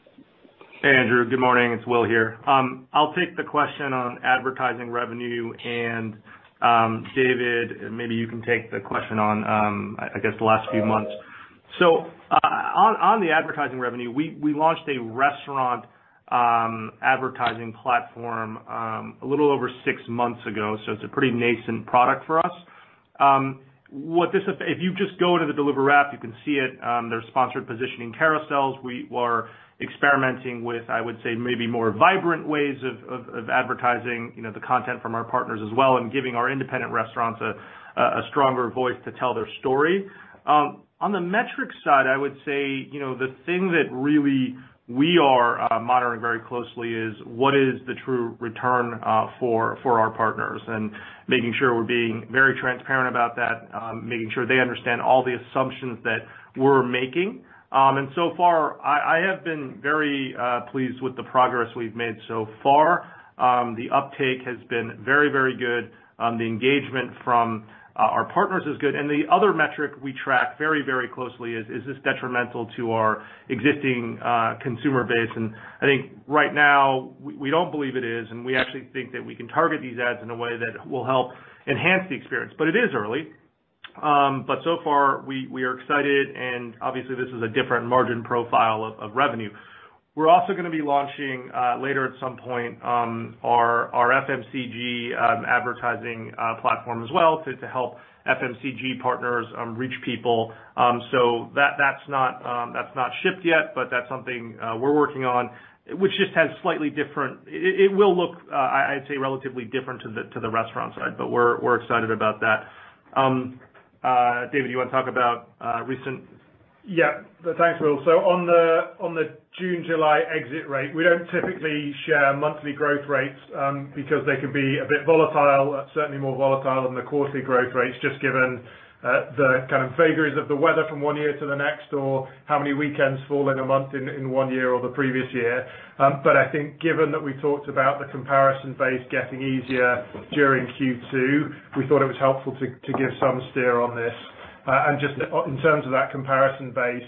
Hey, Andrew. Good morning. It's Will here. I'll take the question on advertising revenue, and David, maybe you can take the question on I guess the last few months. On the advertising revenue, we launched a restaurant advertising platform a little over six months ago, so it's a pretty nascent product for us. If you just go to the Deliveroo app, you can see it. There's sponsored positioning carousels. We are experimenting with, I would say, maybe more vibrant ways of advertising, you know, the content from our partners as well and giving our independent restaurants a stronger voice to tell their story. On the metrics side, I would say, you know, the thing that really we are monitoring very closely is what is the true return for our partners and making sure we're being very transparent about that, making sure they understand all the assumptions that we're making. So far, I have been very pleased with the progress we've made so far. The uptake has been very, very good. The engagement from our partners is good. The other metric we track very, very closely is this detrimental to our existing consumer base? I think right now we don't believe it is, and we actually think that we can target these ads in a way that will help enhance the experience. It is early. So far we are excited, obviously this is a different margin profile of revenue. We're also gonna be launching later at some point our FMCG advertising platform as well to help FMCG partners reach people. That's not shipped yet, but that's something we're working on, which just has slightly different. It will look, I'd say, relatively different to the restaurant side, but we're excited about that. David, you wanna talk about recent- Yeah. Thanks, Will. On the June-July exit rate, we don't typically share monthly growth rates, because they can be a bit volatile, certainly more volatile than the quarterly growth rates, just given the kind of vagaries of the weather from one year to the next or how many weekends fall in a month in one year or the previous year. I think given that we talked about the comparison base getting easier during Q2, we thought it was helpful to give some steer on this. Just in terms of that comparison base.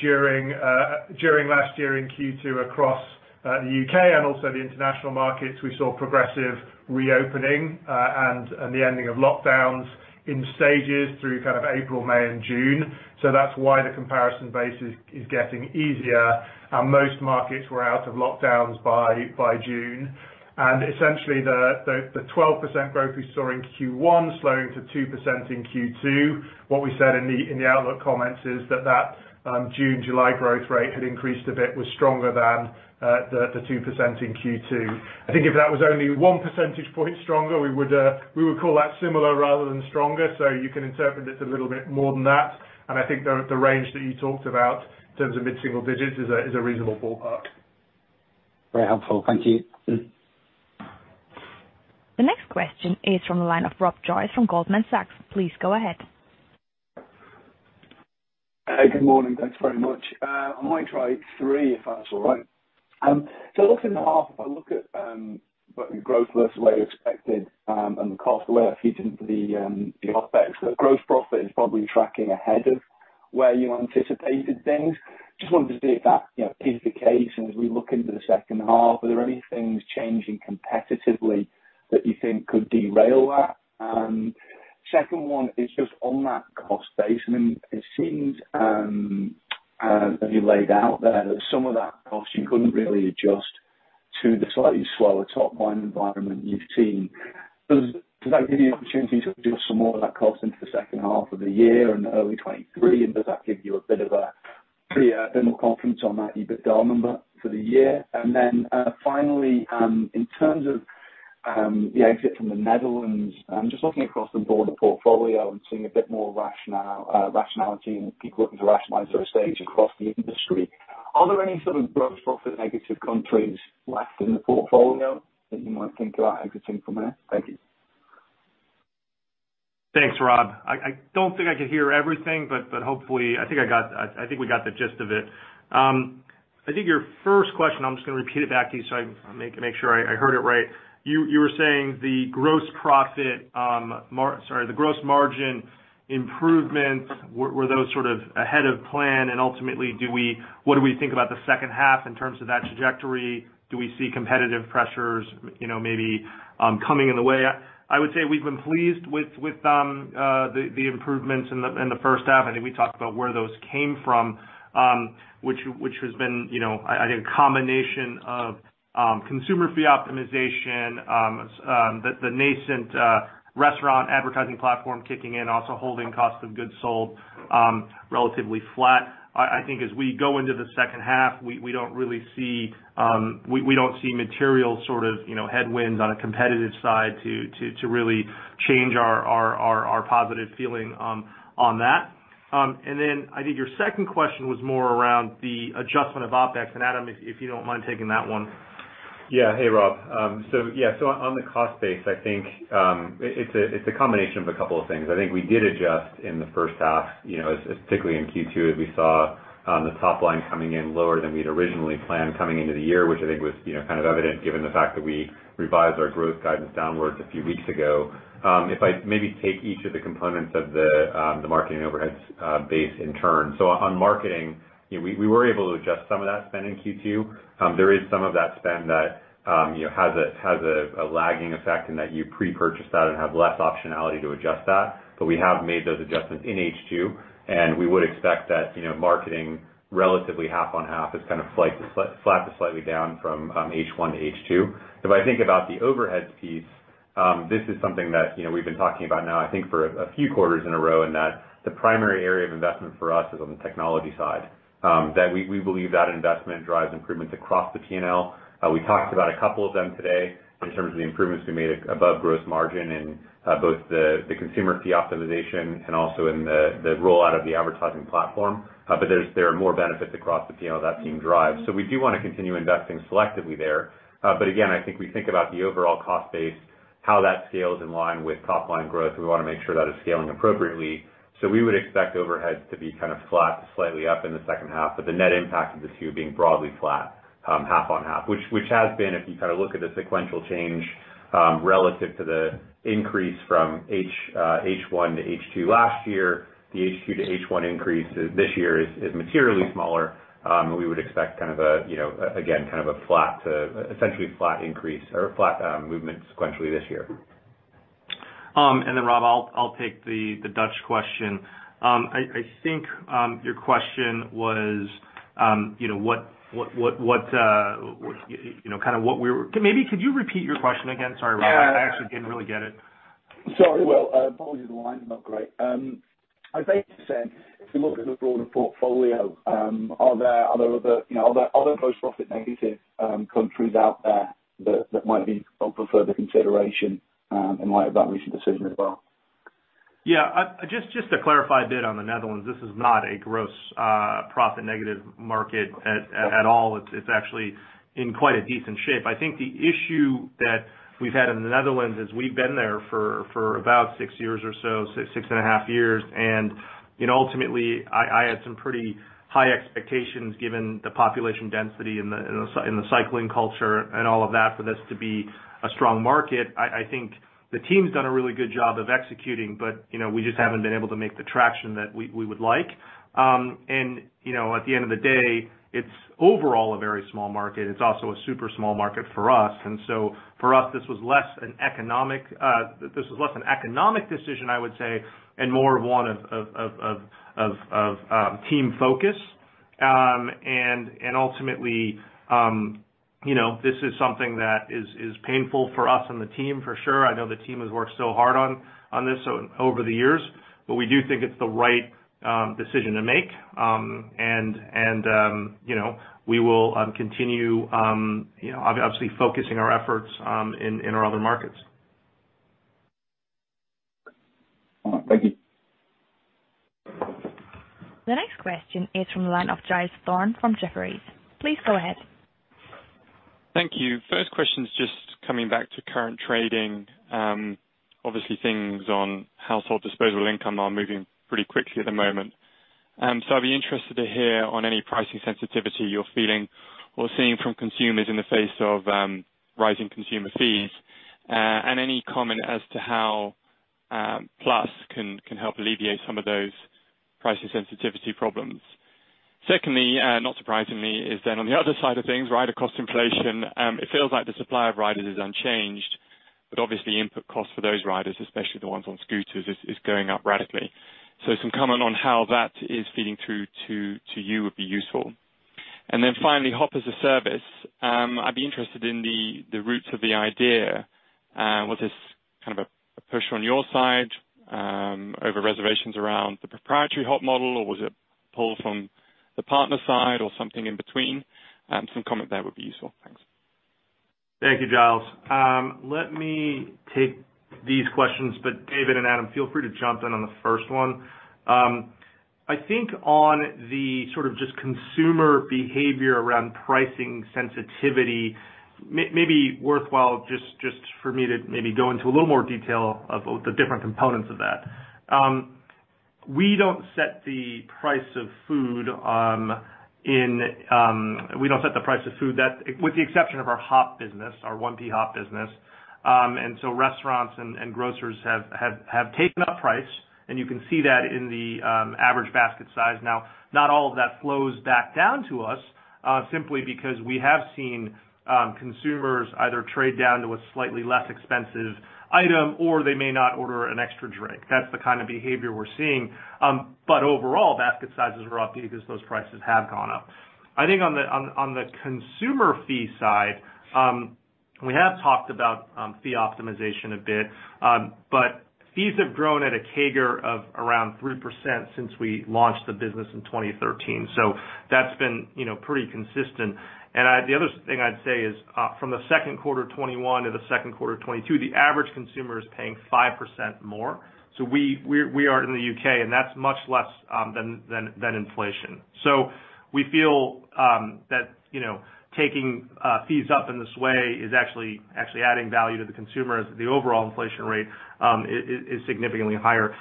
During last year in Q2 across the U.K. and also the international markets, we saw progressive reopening and the ending of lockdowns in stages through kind of April, May, and June. That's why the comparison base is getting easier. Most markets were out of lockdowns by June. Essentially the 12% growth we saw in Q1 slowing to 2% in Q2, what we said in the outlook comments is that that June, July growth rate had increased a bit, was stronger than the 2% in Q2. I think if that was only one percentage point stronger, we would call that similar rather than stronger. You can interpret it a little bit more than that. I think the range that you talked about in terms of mid-single digits is a reasonable ballpark. Very helpful. Thank you. The next question is from the line of Rob Joyce from Goldman Sachs. Please go ahead. Hey, good morning. Thanks very much. I might try three, if that's all right. Looking at the half, if I look at both the growth versus where you expected and the costs where you didn't meet the OpEx. The gross profit is probably tracking ahead of where you anticipated things. Just wanted to see if that you know is the case and as we look into the second half, are there any things changing competitively that you think could derail that? Second one is just on that cost base. I mean, it seems as you laid out there, that some of that cost you couldn't really adjust to the slightly slower top-line environment you've seen. Does that give you the opportunity to adjust some more of that cost into the second half of the year and early 2023? Does that give you a bit more confidence on that EBITDA number for the year? Then, finally, in terms of the exit from the Netherlands, I'm just looking across the board, the portfolio, I'm seeing a bit more rationality and people looking to rationalize their estate across the industry. Are there any sort of gross profit negative countries left in the portfolio that you might think about exiting from there? Thank you. Thanks, Rob. I don't think I could hear everything, but hopefully, I think we got the gist of it. I think your first question, I'm just gonna repeat it back to you so I can make sure I heard it right. You were saying the gross profit, sorry, the gross margin improvements, were those sort of ahead of plan? Ultimately, what do we think about the second half in terms of that trajectory? Do we see competitive pressures, you know, maybe coming in the way? I would say we've been pleased with the improvements in the first half. I think we talked about where those came from, which has been, you know, I think a combination of, consumer fee optimization, the nascent restaurant advertising platform kicking in, also holding cost of goods sold, relatively flat. I think as we go into the second half, we don't really see material sort of, you know, headwinds on a competitive side to really change our positive feeling on that. I think your second question was more around the adjustment of OpEx. Adam, if you don't mind taking that one. Hey, Rob. On the cost base, I think it's a combination of a couple of things. I think we did adjust in the first half, you know, especially in Q2, as we saw the top line coming in lower than we'd originally planned coming into the year, which I think was, you know, kind of evident given the fact that we revised our growth guidance downwards a few weeks ago. If I maybe take each of the components of the marketing overheads base in turn. On marketing, you know, we were able to adjust some of that spend in Q2. There is some of that spend that, you know, has a lagging effect in that you pre-purchase that and have less optionality to adjust that. We have made those adjustments in H2, and we would expect that, you know, marketing relatively half on half is kind of slightly flat to slightly down from H1 to H2. If I think about the overheads piece, this is something that, you know, we've been talking about now, I think, for a few quarters in a row, in that the primary area of investment for us is on the technology side. That we believe that investment drives improvements across the P&L. We talked about a couple of them today in terms of the improvements we made in gross margin in both the consumer fee optimization and also in the rollout of the advertising platform. But there are more benefits across the P&L that it drives. We do wanna continue investing selectively there. Again, I think we think about the overall cost base, how that scales in line with top-line growth. We wanna make sure that is scaling appropriately. We would expect overheads to be kind of flat to slightly up in the second half, but the net impact of the two being broadly flat, half on half. Which has been, if you kind of look at the sequential change, relative to the increase from H1 to H2 last year, the H2 to H1 increase this year is materially smaller. We would expect kind of a, you know, again, kind of a flat to essentially flat increase or flat movement sequentially this year. Rob, I'll take the Dutch question. I think your question was, you know, what you know, kind of what we were. Maybe could you repeat your question again? Sorry, Rob. Yeah. I actually didn't really get it. Sorry, Will. Probably the line's not great. I think you said if you look at the broader portfolio, are there other, you know, gross profit negative countries out there that might be up for further consideration in light of that recent decision as well? Yeah, just to clarify a bit on the Netherlands, this is not a gross profit negative market at all. It's actually in quite a decent shape. I think the issue that we've had in the Netherlands is we've been there for about 6 years or so, 6.5 years. You know, ultimately, I had some pretty high expectations given the population density and the cycling culture and all of that for this to be a strong market. I think the team's done a really good job of executing, but you know, we just haven't been able to make the traction that we would like. You know, at the end of the day, it's overall a very small market. It's also a super small market for us. For us, this was less an economic decision, I would say, and more of one of team focus. Ultimately, you know, this is something that is painful for us and the team for sure. I know the team has worked so hard on this over the years, but we do think it's the right decision to make. You know, we will continue, you know, obviously focusing our efforts in our other markets. All right. Thank you. The next question is from the line of Giles Thorne from Jefferies. Please go ahead. Thank you. First question is just coming back to current trading. Obviously things on household disposable income are moving pretty quickly at the moment. So I'd be interested to hear on any pricing sensitivity you're feeling or seeing from consumers in the face of rising consumer fees, and any comment as to how Plus can help alleviate some of those pricing sensitivity problems. Secondly, not surprisingly, is then on the other side of things, rider cost inflation. It feels like the supply of riders is unchanged, but obviously input costs for those riders, especially the ones on scooters, is going up radically. So some comment on how that is feeding through to you would be useful. Then finally, HOP as a service, I'd be interested in the roots of the idea. Was this kind of a push on your side over reservations around the proprietary HOP model, or was it pull from the partner side or something in between? Some comment there would be useful. Thanks. Thank you, Giles. Let me take these questions, but David and Adam, feel free to jump in on the first one. I think on the sort of just consumer behavior around pricing sensitivity, maybe worthwhile just for me to maybe go into a little more detail of the different components of that. We don't set the price of food with the exception of our HOP business, our 1P HOP business. Restaurants and grocers have taken up price, and you can see that in the average basket size. Now, not all of that flows back down to us, simply because we have seen consumers either trade down to a slightly less expensive item or they may not order an extra drink. That's the kind of behavior we're seeing. Overall, basket sizes are up because those prices have gone up. I think on the consumer fee side, we have talked about fee optimization a bit, but fees have grown at a CAGR of around 3% since we launched the business in 2013. That's been, you know, pretty consistent. The other thing I'd say is, from second quarter 2021 to second quarter 2022, the average consumer is paying 5% more. We are in the U.K., and that's much less than inflation. We feel that, you know, taking fees up in this way is actually adding value to the consumer as the overall inflation rate is significantly higher.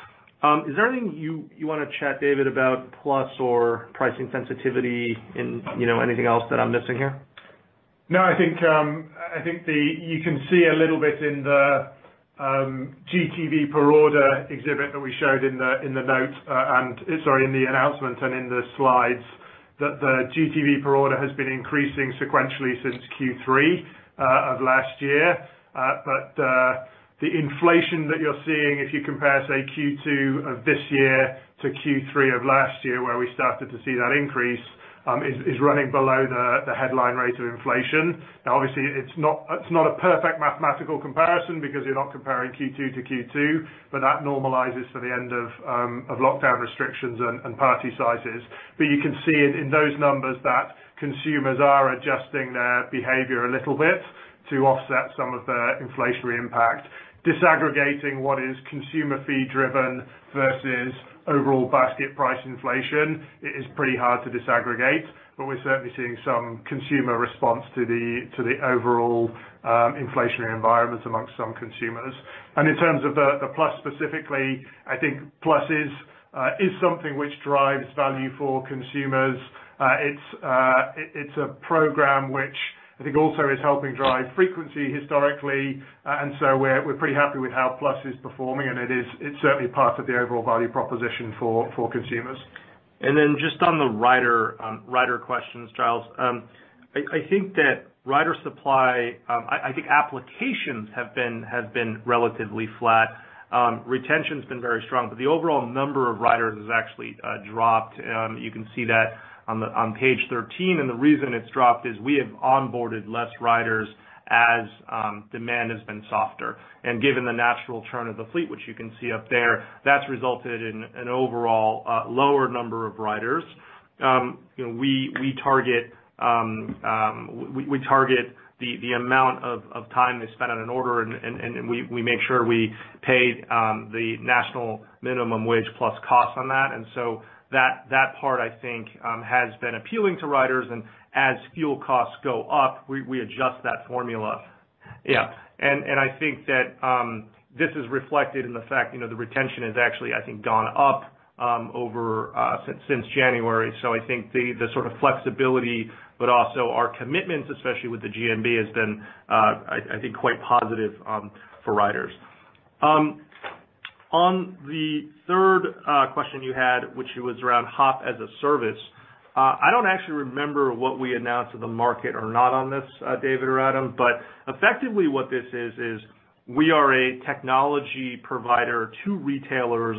Is there anything you wanna chat, David, about Plus or pricing sensitivity and, you know, anything else that I'm missing here? No, I think you can see a little bit in the GTV per order exhibit that we showed in the announcement and in the slides, that the GTV per order has been increasing sequentially since Q3 of last year. The inflation that you are seeing if you compare, say, Q2 of this year to Q3 of last year, where we started to see that increase, is running below the headline rate of inflation. Now, obviously it is not a perfect mathematical comparison because you are not comparing Q2 to Q2, but that normalizes for the end of lockdown restrictions and party sizes. You can see in those numbers that consumers are adjusting their behavior a little bit to offset some of the inflationary impact. Disaggregating what is consumer fee driven versus overall basket price inflation is pretty hard to disaggregate, but we're certainly seeing some consumer response to the overall inflationary environments among some consumers. In terms of the Plus specifically, I think Plus is something which drives value for consumers. It's a program which I think also is helping drive frequency historically. We're pretty happy with how Plus is performing, and it's certainly part of the overall value proposition for consumers. Just on the rider questions, Giles. I think that rider supply, I think applications have been relatively flat. Retention's been very strong, but the overall number of riders has actually dropped. You can see that on page 13, and the reason it's dropped is we have onboarded less riders as demand has been softer. Given the natural churn of the fleet, which you can see up there, that's resulted in an overall lower number of riders. You know, we target the amount of time they spend on an order and we make sure we pay the national minimum wage plus costs on that. That part, I think, has been appealing to riders. As fuel costs go up, we adjust that formula. Yeah. I think that this is reflected in the fact, you know, the retention has actually, I think, gone up over since January. I think the sort of flexibility, but also our commitments, especially with the GMB, has been, I think quite positive for riders. On the third question you had, which was around HOP as a service, I don't actually remember what we announced to the market or not on this, David or Adam, but effectively what this is we are a technology provider to retailers,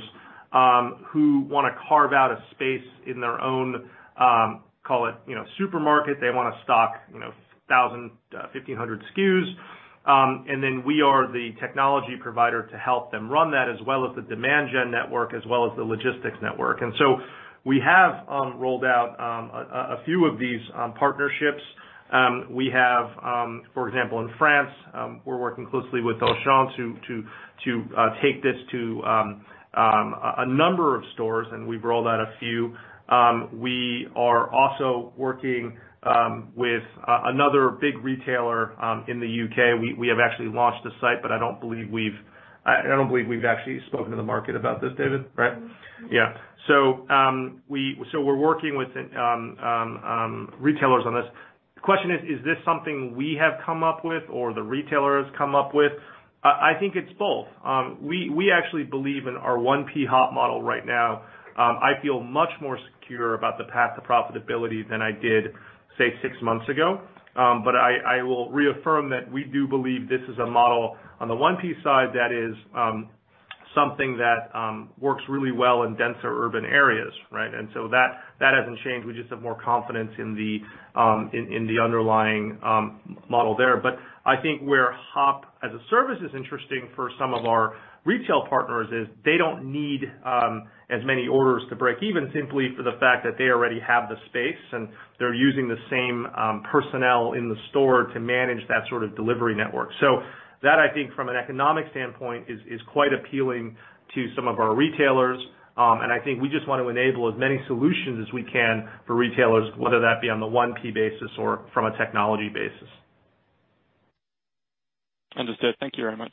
who wanna carve out a space in their own, call it, you know, supermarket. They wanna stock, you know, 1,000, 1,500 SKUs. We are the technology provider to help them run that, as well as the demand gen network, as well as the logistics network. We have rolled out a few of these partnerships. For example, in France, we are working closely with Auchan to take this to a number of stores, and we've rolled out a few. We are also working with another big retailer in the U.K. We have actually launched the site, but I don't believe we've actually spoken to the market about this, David, right? Yeah. We're working with retailers on this. The question is this something we have come up with or the retailer has come up with? I think it's both. We actually believe in our 1P HOP model right now. I feel much more secure about the path to profitability than I did, say, 6 months ago. I will reaffirm that we do believe this is a model on the 1P side that is something that works really well in denser urban areas, right? That hasn't changed. We just have more confidence in the underlying model there. I think where HOP as a service is interesting for some of our retail partners is they don't need as many orders to break even simply for the fact that they already have the space, and they're using the same personnel in the store to manage that sort of delivery network. So that, I think, from an economic standpoint, is quite appealing to some of our retailers. I think we just want to enable as many solutions as we can for retailers, whether that be on the 1P basis or from a technology basis. Understood. Thank you very much.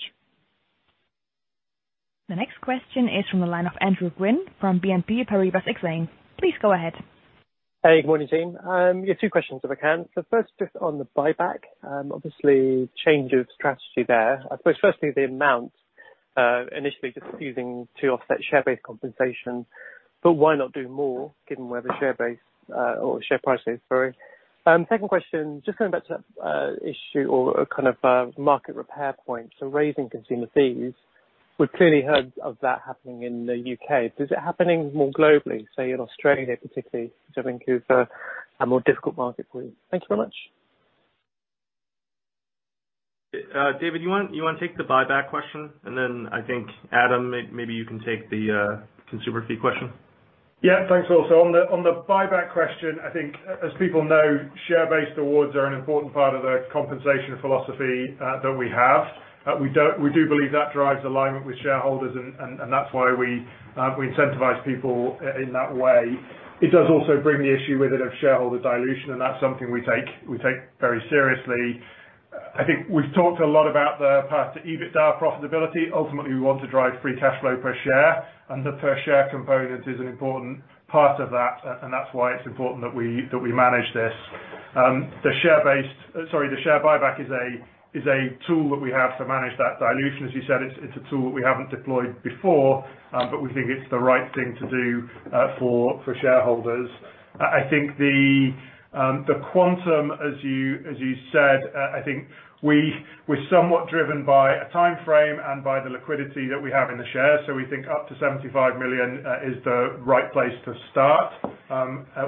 The next question is from the line of Andrew Gwynn from BNP Paribas Exane. Please go ahead. Hey, good morning, team. Yeah, two questions if I can. The first just on the buyback, obviously change of strategy there. I suppose firstly the amount, initially just using to offset share-based compensation, but why not do more given where the share price is? Sorry. Second question, just going back to that issue or kind of market repair point. Raising consumer fees, we've clearly heard of that happening in the U.K. Is it happening more globally, say in Australia particularly, which I think is a more difficult market for you? Thank you very much. David, you wanna take the buyback question? I think, Adam, maybe you can take the consumer fee question. Yeah, thanks, Will. On the buyback question, I think as people know, share-based awards are an important part of the compensation philosophy that we have. We do believe that drives alignment with shareholders and that's why we incentivize people in that way. It does also bring the issue with it of shareholder dilution, and that's something we take very seriously. I think we've talked a lot about the path to EBITDA profitability. Ultimately, we want to drive free cash flow per share, and the per share component is an important part of that, and that's why it's important that we manage this. The share buyback is a tool that we have to manage that dilution. As you said, it's a tool that we haven't deployed before, but we think it's the right thing to do for shareholders. I think the quantum, as you said, I think we're somewhat driven by a timeframe and by the liquidity that we have in the share. We think up to 75 million is the right place to start.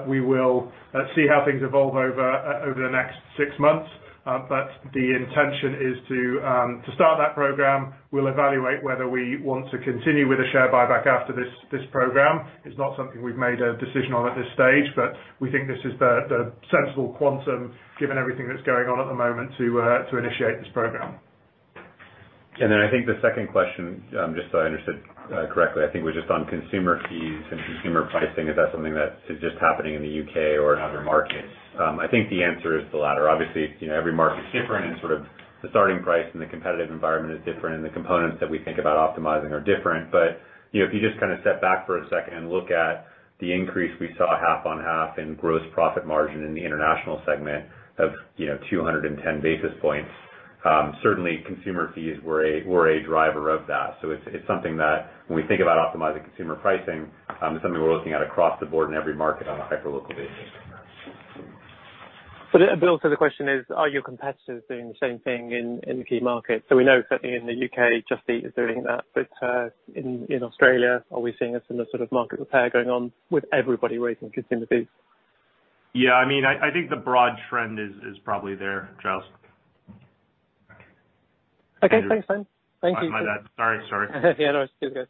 We will see how things evolve over the next six months. The intention is to start that program. We'll evaluate whether we want to continue with a share buyback after this program. It's not something we've made a decision on at this stage, but we think this is the sensible quantum, given everything that's going on at the moment to initiate this program. I think the second question, just so I understood correctly, I think was just on consumer fees and consumer pricing. Is that something that is just happening in the U.K. or other markets? I think the answer is the latter. Obviously, you know, every market is different and sort of the starting price and the competitive environment is different and the components that we think about optimizing are different. You know, if you just kinda step back for a second and look at the increase we saw half on half in gross profit margin in the international segment of, you know, 210 basis points, certainly consumer fees were a driver of that. It's something that when we think about optimizing consumer pricing, it's something we're looking at across the board in every market on a hyper-local basis. Also the question is, are your competitors doing the same thing in the key markets? We know certainly in the U.K., Just Eat is doing that. In Australia, are we seeing a similar sort of market repair going on with everybody raising consumer fees? Yeah. I mean, I think the broad trend is probably there, Charles. Okay, thanks then. Thank you. My bad. Sorry. Yeah, no, it's good.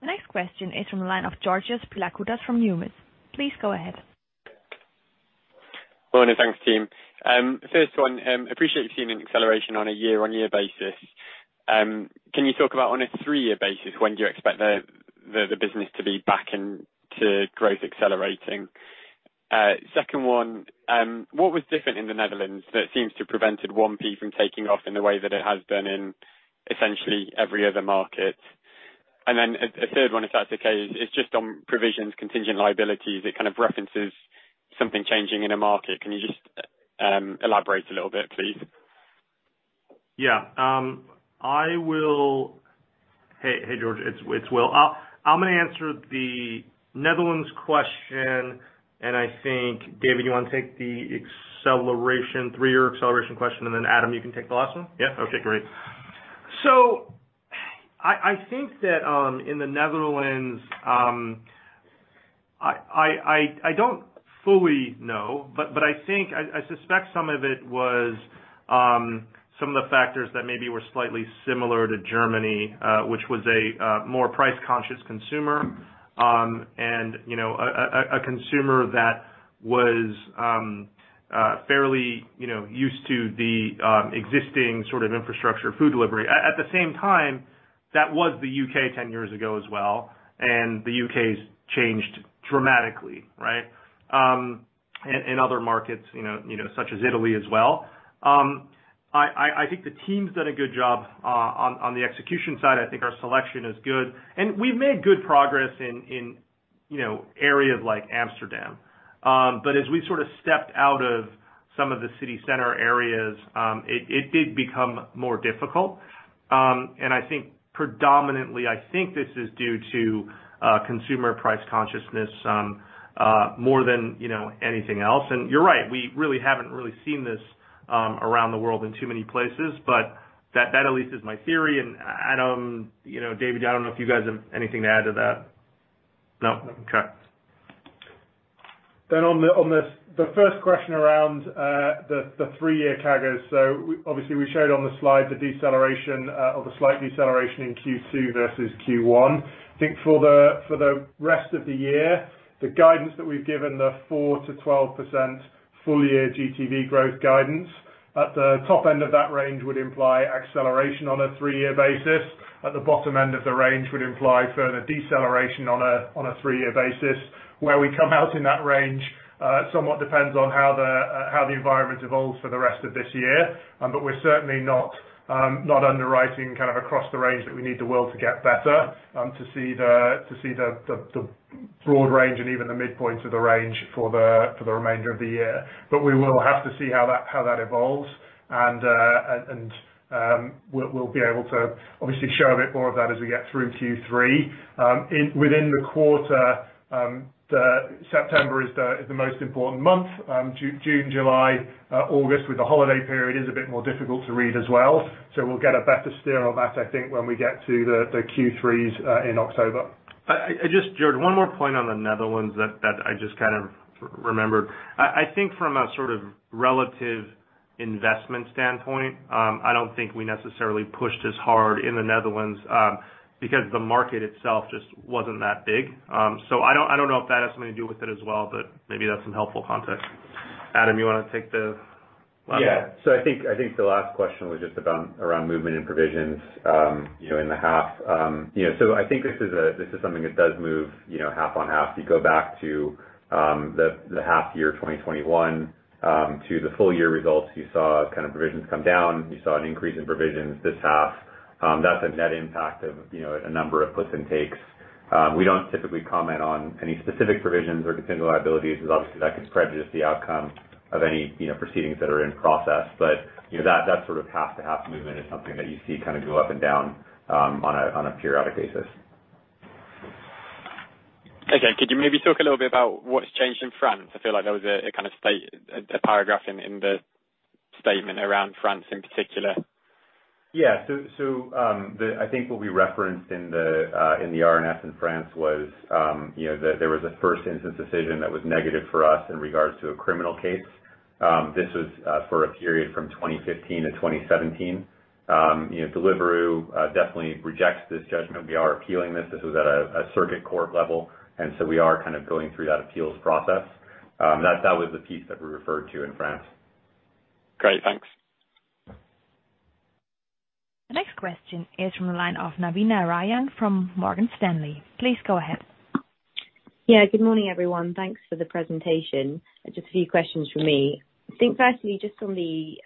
The next question is from the line of Georgios Pilakoutas from Numis. Please go ahead. Morning. Thanks team. First one, appreciate you've seen an acceleration on a year-on-year basis. Can you talk about on a three-year basis, when do you expect the business to be back and to growth accelerating? Second one: What was different in the Netherlands that seems to have prevented 1P from taking off in the way that it has been in essentially every other market? And then a third one, if that's okay, is just on provisions contingent liabilities. It kind of references something changing in a market. Can you just elaborate a little bit, please? Yeah. Hey, Georgios. It's Will. I'm gonna answer the Netherlands question and I think, David, you wanna take the acceleration, three-year acceleration question, and then Adam, you can take the last one? Yeah. Okay, great. I think that in the Netherlands, I don't fully know, but I think I suspect some of it was some of the factors that maybe were slightly similar to Germany, which was a more price-conscious consumer. You know, a consumer that was fairly, you know, used to the existing sort of infrastructure of food delivery. At the same time, that was the U.K. ten years ago as well, and the UK's changed dramatically, right? Other markets, you know, such as Italy as well. I think the team's done a good job on the execution side. I think our selection is good, and we've made good progress in, you know, areas like Amsterdam. As we sort of stepped out of some of the city center areas, it did become more difficult. I think predominantly this is due to consumer price consciousness, more than, you know, anything else. You're right, we haven't seen this around the world in too many places, but that at least is my theory. Adam, you know, David, I don't know if you guys have anything to add to that. No. Okay. On the first question around the three-year CAGRs. Obviously we showed on the slide the deceleration or the slight deceleration in Q2 versus Q1. I think for the rest of the year, the guidance that we've given, the 4%-12% full year GTV growth guidance, at the top end of that range would imply acceleration on a three-year basis. At the bottom end of the range would imply further deceleration on a three-year basis. Where we come out in that range, somewhat depends on how the environment evolves for the rest of this year. We're certainly not underwriting kind of across the range that we need the world to get better to see the broad range and even the midpoint of the range for the remainder of the year. We will have to see how that evolves and we'll be able to obviously share a bit more of that as we get through Q3. Within the quarter, September is the most important month. June, July, August with the holiday period is a bit more difficult to read as well. We'll get a better steer on that, I think, when we get to the Q3s in October. I just, Georgios, one more point on the Netherlands that I just kind of remembered. I think from a sort of relative investment standpoint, I don't think we necessarily pushed as hard in the Netherlands, because the market itself just wasn't that big. I don't know if that has something to do with it as well, but maybe that's some helpful context. Adam, you wanna take the last one? I think the last question was just about around movement and provisions in the half. I think this is something that does move half on half. You go back to the half year 2021 to the full year results, you saw kind of provisions come down. You saw an increase in provisions this half. That's a net impact of a number of puts and takes. We don't typically comment on any specific provisions or contingent liabilities as obviously that could prejudice the outcome of any proceedings that are in process. That sort of half to half movement is something that you see kind of go up and down on a periodic basis. Okay. Could you maybe talk a little bit about what's changed in France? I feel like that was a kind of paragraph in the statement around France in particular. Yeah. I think what we referenced in the RNS in France was, you know, that there was a first instance decision that was negative for us in regards to a criminal case. This was for a period from 2015 to 2017. You know, Deliveroo definitely rejects this judgment. We are appealing this. This is at a circuit court level, and so we are kind of going through that appeals process. That was the piece that we referred to in France. Great. Thanks. The next question is from the line of Navina Rajan from Morgan Stanley. Please go ahead. Yeah. Good morning, everyone. Thanks for the presentation. Just a few questions from me. I think firstly, just on the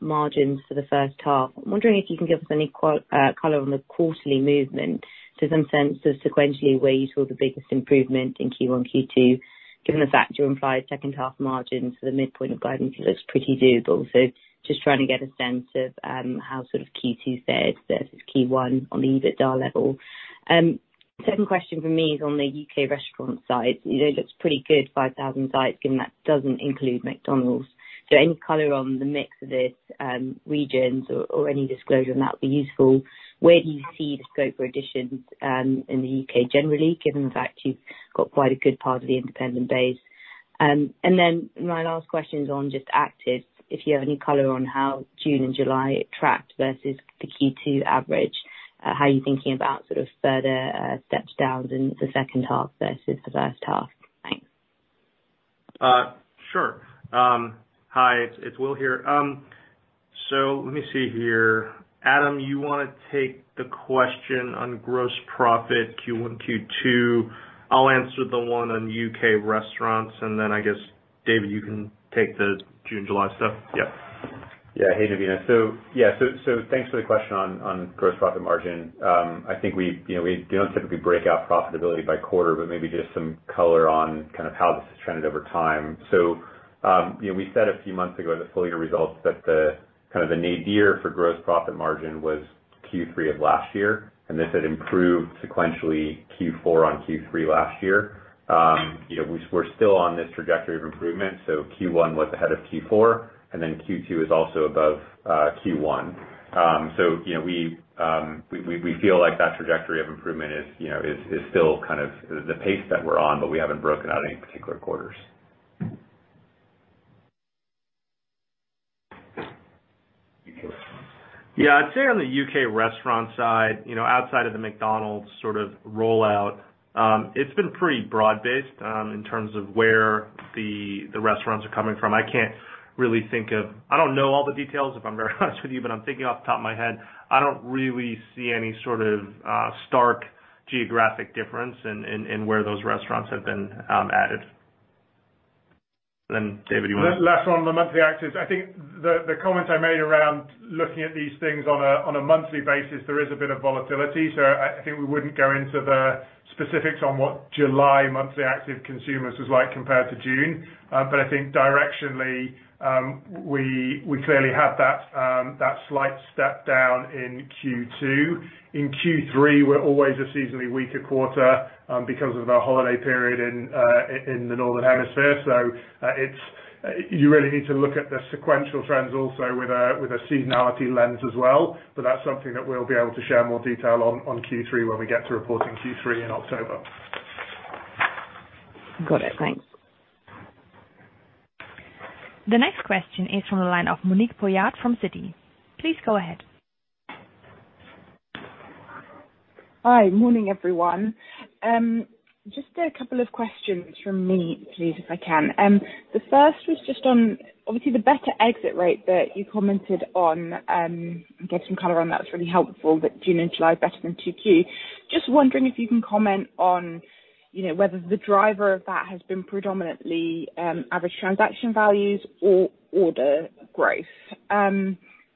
margins for the first half, I'm wondering if you can give us any color on the quarterly movement to some sense of sequentially where you saw the biggest improvement in Q1, Q2, given the fact your implied second half margins for the midpoint of guidance looks pretty doable. So just trying to get a sense of how sort of Q2 fared versus Q1 on the EBITDA level. Second question from me is on the U.K. restaurant side. You know, it looks pretty good, 5,000 sites, given that doesn't include McDonald's. So any color on the mix of this regions or any disclosure on that would be useful. Where do you see the scope for Editions in the U.K. Generally, given the fact you've got quite a good part of the independent base? My last question is on just active, if you have any color on how June and July tracked versus the Q2 average, how you're thinking about sort of further steps down in the second half versus the first half? Thanks. Sure. Hi, it's Will here. Let me see here. Adam, you wanna take the question on gross profit Q1, Q2? I'll answer the one on U.K.. Restaurants, and then I guess, David, you can take the June, July stuff. Yeah. Yeah. Hey, Navina. So yeah, so thanks for the question on gross profit margin. I think you know, we don't typically break out profitability by quarter, but maybe just some color on kind of how this has trended over time. We said a few months ago, the full year results that the kind of the nadir for gross profit margin was Q3 of last year. This had improved sequentially Q4 on Q3 last year. You know, we're still on this trajectory of improvement, so Q1 was ahead of Q4, and then Q2 is also above Q1. You know, we feel like that trajectory of improvement is still kind of the pace that we're on, but we haven't broken out any particular quarters. Yeah. I'd say on the U.K. restaurant side, you know, outside of the McDonald's sort of rollout, it's been pretty broad-based, in terms of where the restaurants are coming from. I don't know all the details, if I'm very honest with you, but I'm thinking off the top of my head, I don't really see any sort of stark geographic difference in where those restaurants have been added. David, you wanna- Last one on the monthly actives. I think the comment I made around looking at these things on a monthly basis, there is a bit of volatility. I think we wouldn't go into the specifics on what July monthly active consumers was like compared to June. I think directionally, we clearly had that slight step down in Q2. In Q3, we're always a seasonally weaker quarter because of the holiday period in the Northern Hemisphere. You really need to look at the sequential trends also with a seasonality lens as well. That's something that we'll be able to share more detail on Q3 when we get to reporting Q3 in October. Got it. Thanks. The next question is from the line of Monique Pollard from Citi. Please go ahead. Hi. Morning, everyone. Just a couple of questions from me, please, if I can. The first was just on obviously the better exit rate that you commented on, and gave some color on that was really helpful that June and July better than 2Q. Just wondering if you can comment on, you know, whether the driver of that has been predominantly, average transaction values or order growth,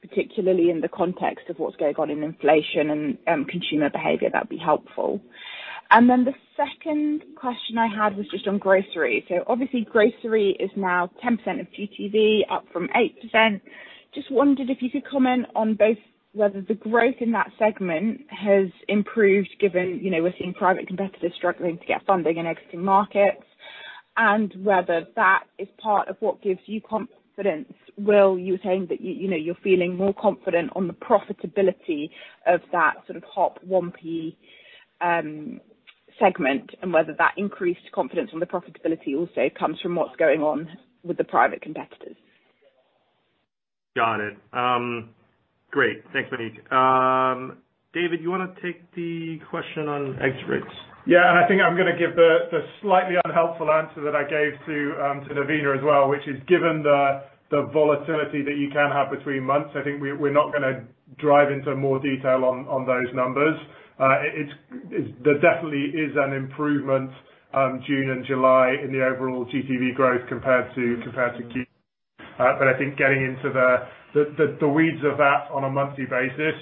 particularly in the context of what's going on in inflation and, consumer behavior, that'd be helpful. The second question I had was just on grocery. Obviously grocery is now 10% of GTV up from 8%. Just wondered if you could comment on both, whether the growth in that segment has improved, given, you know, we're seeing private competitors struggling to get funding in existing markets, and whether that is part of what gives you confidence. Will, you were saying that you know, you're feeling more confident on the profitability of that sort of HOP 1P segment, and whether that increased confidence on the profitability also comes from what's going on with the private competitors. Got it. Great. Thanks, Monique. David, you wanna take the question on exit rates? Yeah. I think I'm gonna give the slightly unhelpful answer that I gave to Navina as well, which is given the volatility that you can have between months, I think we're not gonna dive into more detail on those numbers. There definitely is an improvement in June and July in the overall GTV growth compared to Q2. I think getting into the weeds of that on a monthly basis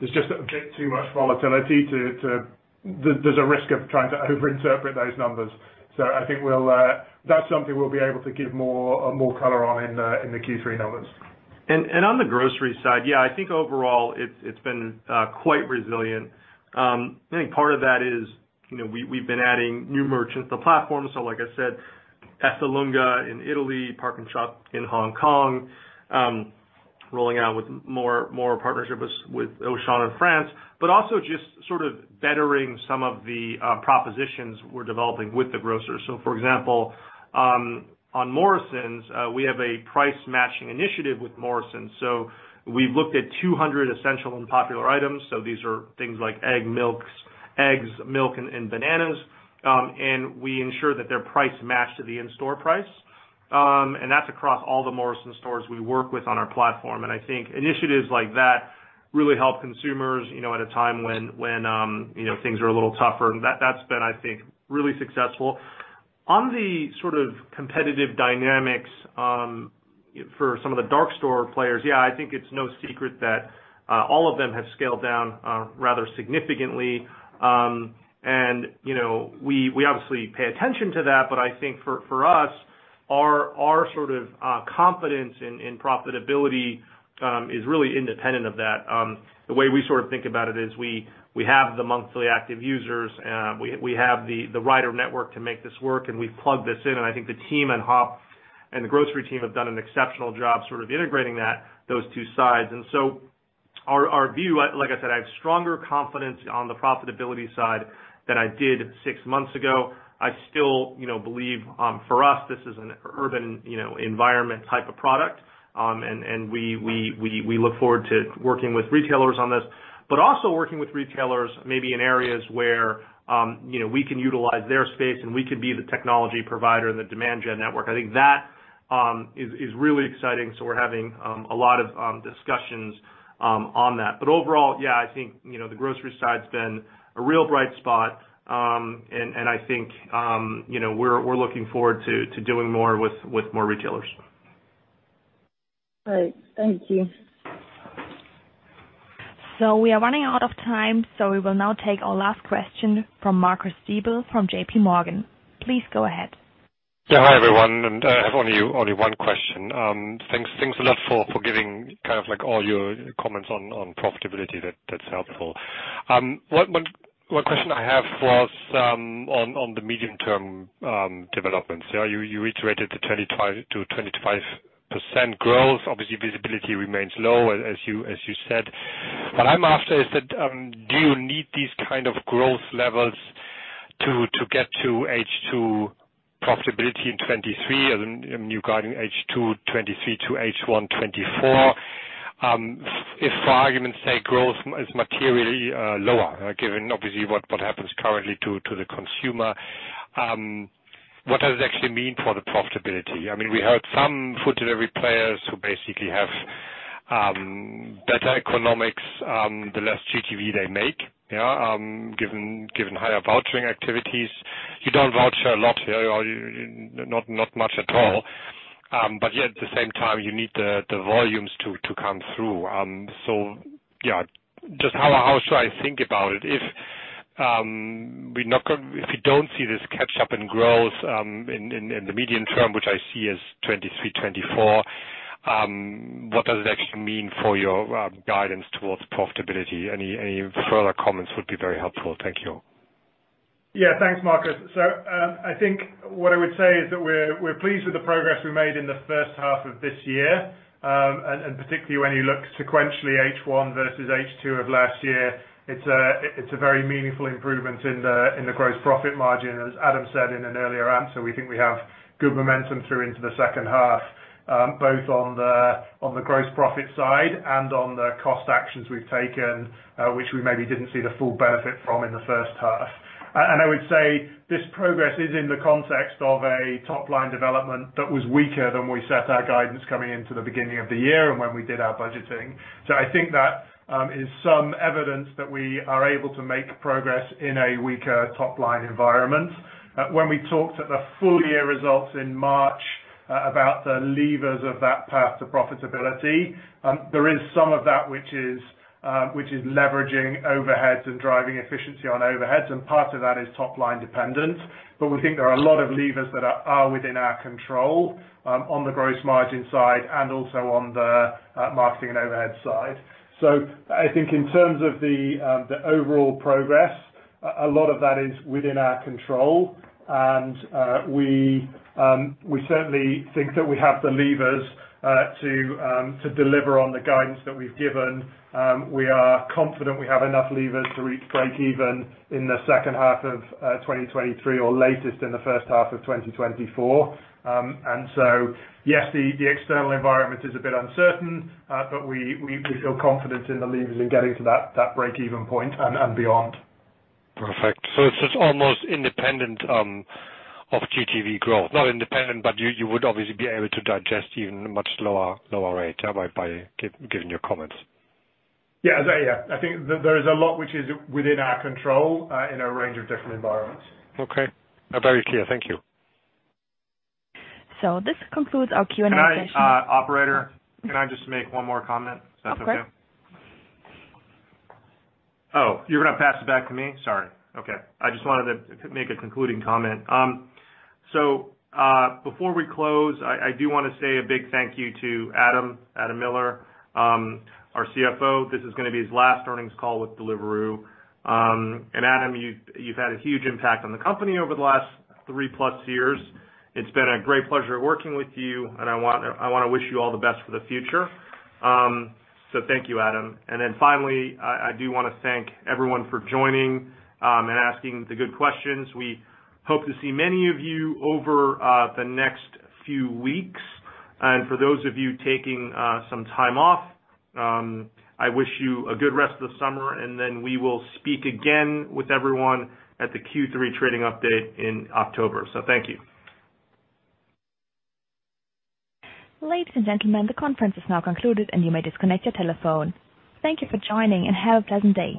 there's just a bit too much volatility. There's a risk of trying to overinterpret those numbers. I think that's something we'll be able to give more color on in the Q3 numbers. On the grocery side, yeah, I think overall it's been quite resilient. I think part of that is, you know, we've been adding new merchants to the platform. Like I said, Esselunga in Italy, PARKnSHOP in Hong Kong, rolling out with more partnerships with Auchan in France, but also just sort of bettering some of the propositions we're developing with the grocers. For example, on Morrisons, we have a price-matching initiative with Morrisons. We've looked at 200 essential and popular items. These are things like eggs, milk, and bananas. We ensure that they're price matched to the in-store price. That's across all the Morrisons stores we work with on our platform. I think initiatives like that really help consumers, you know, at a time when you know, things are a little tougher. That's been, I think, really successful. On the sort of competitive dynamics, for some of the dark store players, yeah, I think it's no secret that all of them have scaled down rather significantly. You know, we obviously pay attention to that. I think for us, our sort of confidence in profitability is really independent of that. The way we sort of think about it is we have the monthly active users, we have the rider network to make this work, and we plug this in. I think the team at HOP and the grocery team have done an exceptional job sort of integrating that, those two sides. Our view, like I said, I have stronger confidence on the profitability side than I did six months ago. I still, you know, believe, for us, this is an urban, you know, environment type of product. We look forward to working with retailers on this, but also working with retailers, maybe in areas where, you know, we can utilize their space and we can be the technology provider in the demand gen network. I think that is really exciting, so we're having a lot of discussions on that. Overall, yeah, I think, you know, the grocery side's been a real bright spot, and I think, you know, we're looking forward to doing more with more retailers. Great. Thank you. We are running out of time, so we will now take our last question from Markus Stiebel from JPMorgan. Please go ahead. Yeah. Hi, everyone. I have only one question. Thanks a lot for giving kind of like all your comments on profitability. That's helpful. One question I have was on the medium-term developments. You reiterated to 25% growth. Obviously, visibility remains low as you said. What I'm after is that, do you need these kind of growth levels to get to H2 profitability in 2023 and you guiding H2 2023 to H1 2024? If for argument's sake, growth is materially lower, given obviously what happens currently to the consumer, what does it actually mean for the profitability? I mean, we heard some food delivery players who basically have better economics, the less GTV they make, yeah, given higher vouchering activities. You don't voucher a lot. You not much at all. But yet at the same time, you need the volumes to come through. Yeah. Just how should I think about it? If we don't see this catch-up in growth in the medium term, which I see as 2023, 2024, what does it actually mean for your guidance towards profitability? Any further comments would be very helpful. Thank you. Yeah. Thanks, Markus. I think what I would say is that we're pleased with the progress we made in the first half of this year. Particularly when you look sequentially H1 versus H2 of last year, it's a very meaningful improvement in the gross profit margin. As Adam said in an earlier answer, we think we have good momentum through into the second half, both on the gross profit side and on the cost actions we've taken, which we maybe didn't see the full benefit from in the first half. I would say this progress is in the context of a top-line development that was weaker than we set our guidance coming into the beginning of the year and when we did our budgeting. I think that is some evidence that we are able to make progress in a weaker top-line environment. When we talked at the full year results in March about the levers of that path to profitability, there is some of that which is leveraging overheads and driving efficiency on overheads, and part of that is top-line dependent. We think there are a lot of levers that are within our control on the gross margin side and also on the marketing and overhead side. I think in terms of the overall progress, a lot of that is within our control, and we certainly think that we have the levers to deliver on the guidance that we've given. We are confident we have enough levers to reach breakeven in the second half of 2023 or latest in the first half of 2024. Yes, the external environment is a bit uncertain, but we feel confident in the levers in getting to that breakeven point and beyond. Perfect. It's almost independent of GTV growth. Not independent, but you would obviously be able to digest even much lower rate by giving your comments. Yeah, yeah. I think there is a lot which is within our control, in a range of different environments. Okay. Very clear. Thank you. This concludes our Q&A session. Can I, Operator, can I just make one more comment, if that's okay? Of course. Oh, you're gonna pass it back to me? Sorry. Okay. I just wanted to make a concluding comment. Before we close, I do wanna say a big thank you to Adam Miller, our CFO. This is gonna be his last earnings call with Deliveroo. Adam, you've had a huge impact on the company over the last 3+ years. It's been a great pleasure working with you, and I wanna wish you all the best for the future. Thank you, Adam. Finally, I do wanna thank everyone for joining and asking the good questions. We hope to see many of you over the next few weeks. For those of you taking some time off, I wish you a good rest of the summer, and then we will speak again with everyone at the Q3 trading update in October. Thank you. Ladies and gentlemen, the conference is now concluded, and you may disconnect your telephone. Thank you for joining, and have a pleasant day.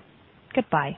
Goodbye.